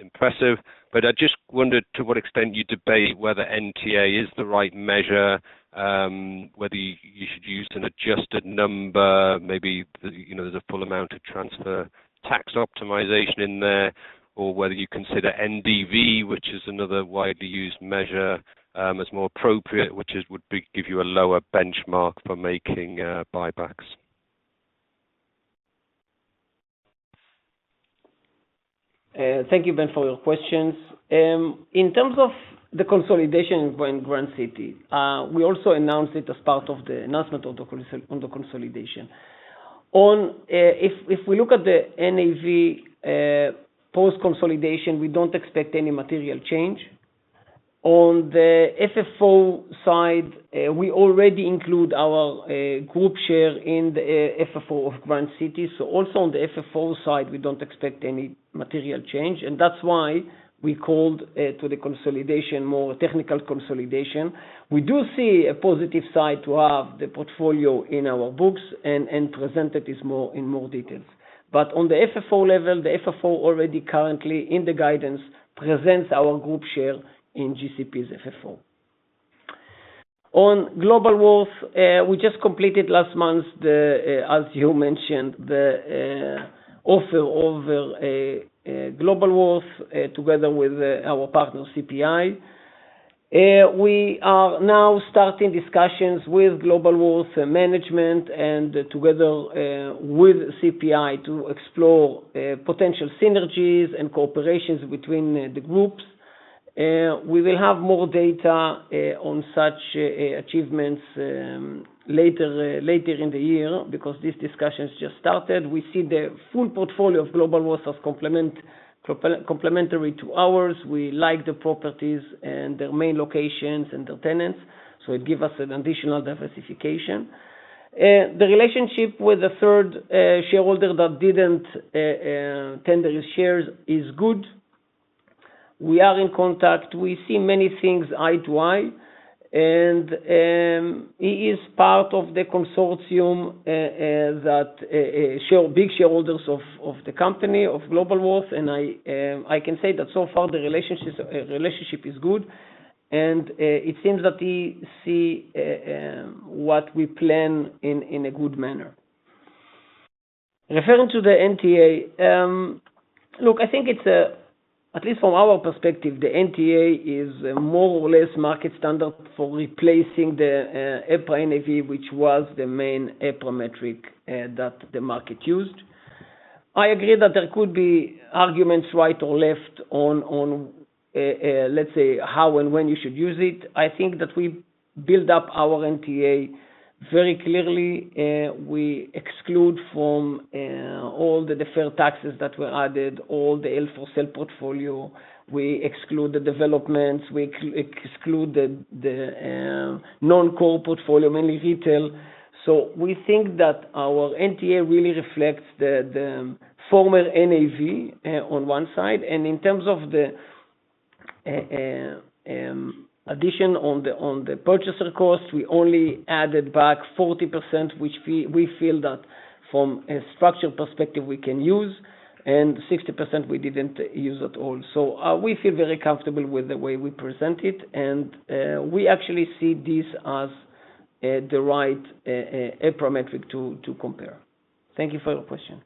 impressive. I just wondered to what extent you debate whether NTA is the right measure, whether you should use an adjusted number, maybe there's a full amount of transfer tax optimization in there, or whether you consider NDV, which is another widely used measure, as more appropriate, which would give you a lower benchmark for making buybacks. Thank you, Ben, for your questions. In terms of the consolidation in Grand City, we also announced it as part of the announcement on the consolidation. If we look at the NAV post-consolidation, we don't expect any material change. On the FFO side, we already include our group share in the FFO of Grand City. Also on the FFO side, we don't expect any material change, and that's why we called to the consolidation more a technical consolidation. We do see a positive side to have the portfolio in our books and present it in more details. On the FFO level, the FFO already currently in the guidance presents our group share in GCP's FFO. On Globalworth, we just completed last month, as you mentioned, the offer over Globalworth, together with our partner, CPI. We are now starting discussions with Globalworth management and together with CPI to explore potential synergies and cooperations between the groups. We will have more data on such achievements later in the year because these discussions just started. We see the full portfolio of Globalworth as complementary to ours. We like the properties and their main locations and their tenants, so it give us an additional diversification. The relationship with the third shareholder that didn't tender his shares is good. We are in contact. We see many things eye to eye, and he is part of the consortium that big shareholders of the company, of Globalworth, and I can say that so far the relationship is good, and it seems that he see what we plan in a good manner. Referring to the NTA. Look, I think at least from our perspective, the NTA is more or less market standard for replacing the EPRA NAV, which was the main EPRA metric that the market used. I agree that there could be arguments right or left on, let's say, how and when you should use it. I think that we build up our NTA very clearly. We exclude from all the deferred taxes that were added, all the hold-for-sale portfolio. We exclude the developments. We exclude the non-core portfolio, mainly retail. We think that our NTA really reflects the former NAV on one side. In terms of the addition on the purchaser cost, we only added back 40%, which we feel that from a structure perspective we can use, and 60% we didn't use at all. We feel very comfortable with the way we present it, and we actually see this as the right pro metric to compare. Thank you for your question.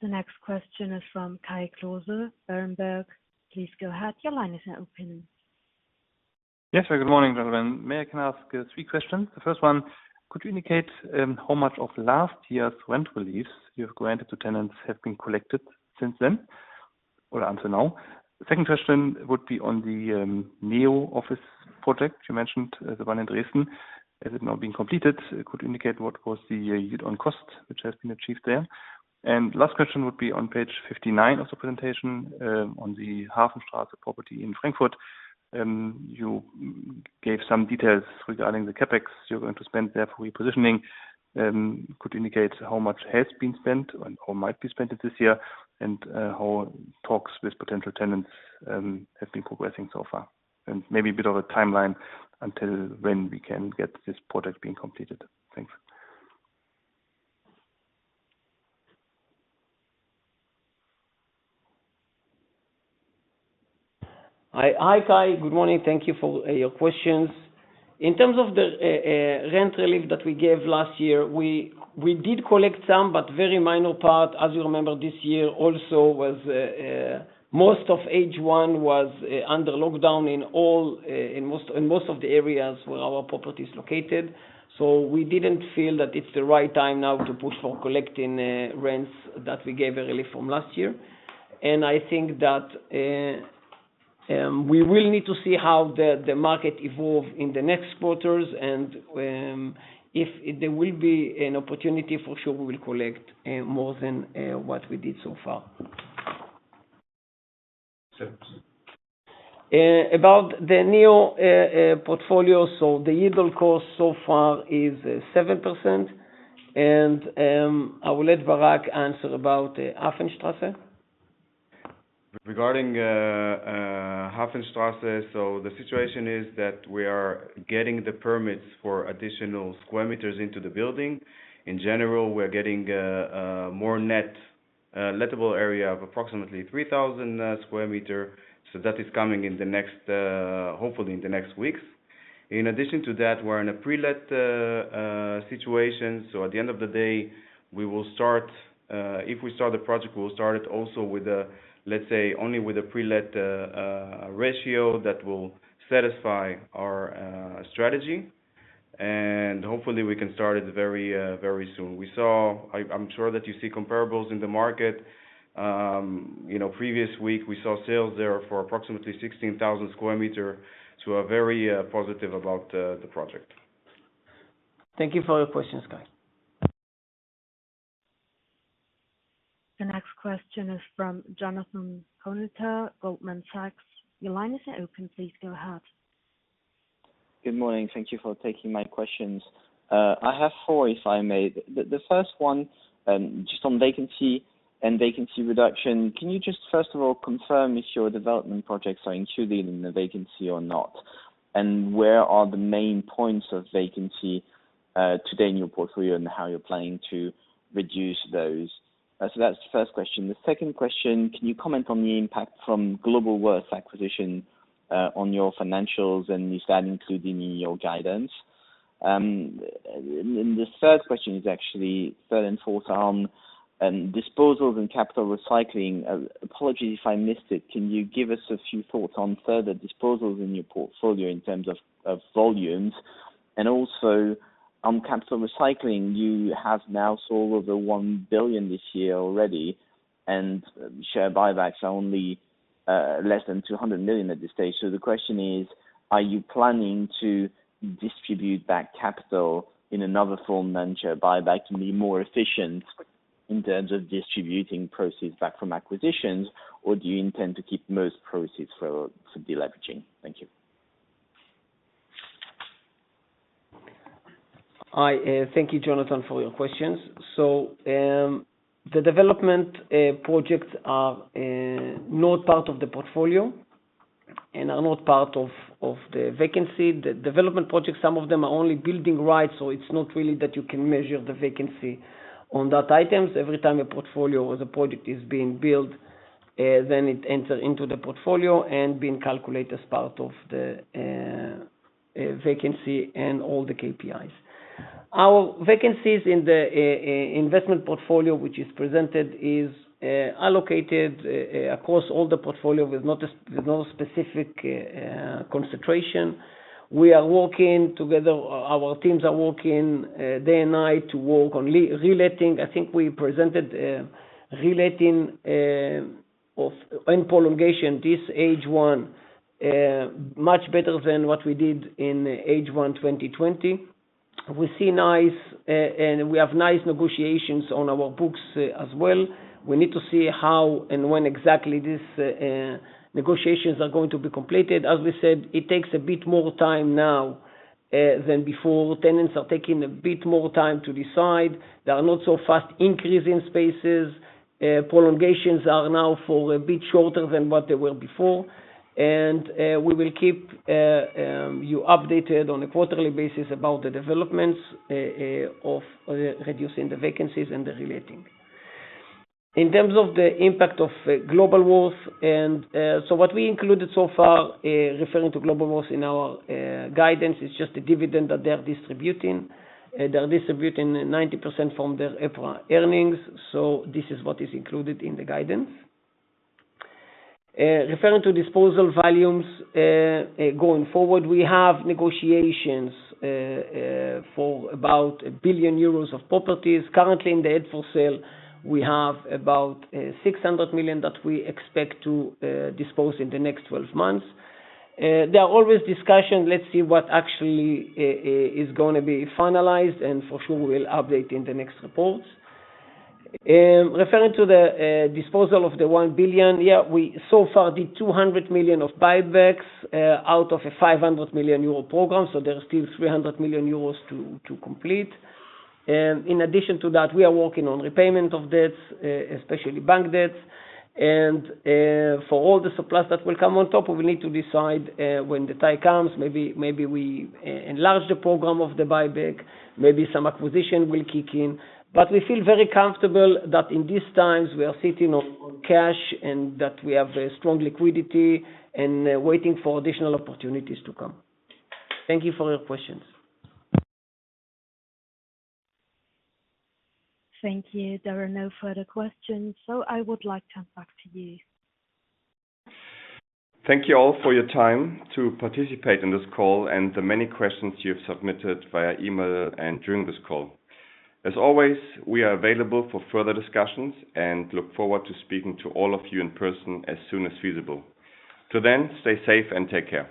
The next question is from Kai Klose, Berenberg. Please go ahead. Your line is now open. Yes. Good morning, everyone. May I can ask three questions? The first one, could you indicate how much of last year's rent reliefs you have granted to tenants have been collected since then, or until now? The second question would be on the NEO office project you mentioned, the one in Dresden. Has it now been completed? Could you indicate what was the yield on cost, which has been achieved there? Last question would be on page 59 of the presentation, on the Hafenstrasse property in Frankfurt. You gave some details regarding the CapEx you're going to spend there for repositioning. Could you indicate how much has been spent or might be spent this year, and how talks with potential tenants have been progressing so far? Maybe a bit of a timeline until when we can get this project being completed. Thanks. Hi, Kai. Good morning. Thank you for your questions. In terms of the rent relief that we gave last year, we did collect some, but very minor part. As you remember, this year also most of H1 was under lockdown in most of the areas where our property is located. We didn't feel that it's the right time now to push for collecting rents that we gave a relief from last year. I think that we will need to see how the market evolve in the next quarters and if there will be an opportunity, for sure we will collect more than what we did so far. 7%. About the NEO portfolio. The yield on cost so far is 7%. I will let Barak answer about Hafenstrasse. Regarding Hafenstrasse, the situation is that we are getting the permits for additional square meters into the building. In general, we're getting more net lettable area of approximately 3,000 sq m. That is coming hopefully in the next weeks. In addition to that, we're in a pre-let situation, at the end of the day, if we start the project, we'll start it also with, let's say, only with a pre-let ratio that will satisfy our strategy. Hopefully we can start it very soon. I'm sure that you see comparables in the market. Previous week, we saw sales there for approximately 16,000 sq m. We're very positive about the project. Thank you for your questions, Kai. The next question is from Jonathan Kownator, Goldman Sachs. Your line is open. Please go ahead. Good morning. Thank you for taking my questions. I have four, if I may. The first one on vacancy and vacancy reduction. Can you confirm if your development projects are included in the vacancy or not? Where are the main points of vacancy today in your portfolio and how you're planning to reduce those? That's the first question. The second question, can you comment on the impact from Globalworth acquisition on your financials, and is that included in your guidance? The third question is third and fourth on disposals and capital recycling. Apologies if I missed it. Can you give us a few thoughts on further disposals in your portfolio in terms of volumes? Also on capital recycling, you have now sold over 1 billion this year already, and share buybacks are only less than 200 million at this stage. The question is, are you planning to distribute back capital in another form than share buyback can be more efficient in terms of distributing proceeds back from acquisitions, or do you intend to keep most proceeds for deleveraging? Thank you. Thank you, Jonathan, for your questions. The development projects are not part of the portfolio and are not part of the vacancy. The development projects, some of them are only building rights, it's not really that you can measure the vacancy on that items. Every time a portfolio or the project is being built, it enter into the portfolio and being calculated as part of the vacancy and all the KPIs. Our vacancies in the investment portfolio, which is presented, is allocated across all the portfolio with no specific concentration. We are working together. Our teams are working day and night to work on reletting. I think we presented reletting and prolongation this H1 much better than what we did in H1 2020. We have nice negotiations on our books as well. We need to see how and when exactly these negotiations are going to be completed. As we said, it takes a bit more time now than before. Tenants are taking a bit more time to decide. There are not so fast increase in spaces. Prolongations are now for a bit shorter than what they were before. We will keep you updated on a quarterly basis about the developments of reducing the vacancies and the reletting. In terms of the impact of Globalworth, what we included so far, referring to Globalworth in our guidance, is just the dividend that they are distributing. They are distributing 90% from their EPRA earnings. This is what is included in the guidance. Referring to disposal volumes, going forward, we have negotiations for about 1 billion euros of properties. Currently in the held for sale, we have about 600 million that we expect to dispose in the next 12 months. There are always discussions. Let's see what actually is going to be finalized, and for sure, we will update in the next reports. Referring to the disposal of the 1 billion, yeah, we so far did 200 million of buybacks out of a 500 million euro program, so there are still 300 million euros to complete. In addition to that, we are working on repayment of debts, especially bank debts. For all the surplus that will come on top, we need to decide when the time comes. Maybe we enlarge the program of the buyback. Maybe some acquisition will kick in. We feel very comfortable that in these times, we are sitting on cash and that we have strong liquidity and waiting for additional opportunities to come. Thank you for your questions. Thank you. There are no further questions, so I would like to hand back to you. Thank you all for your time to participate in this call and the many questions you have submitted via email and during this call. As always, we are available for further discussions and look forward to speaking to all of you in person as soon as feasible. Till then, stay safe and take care.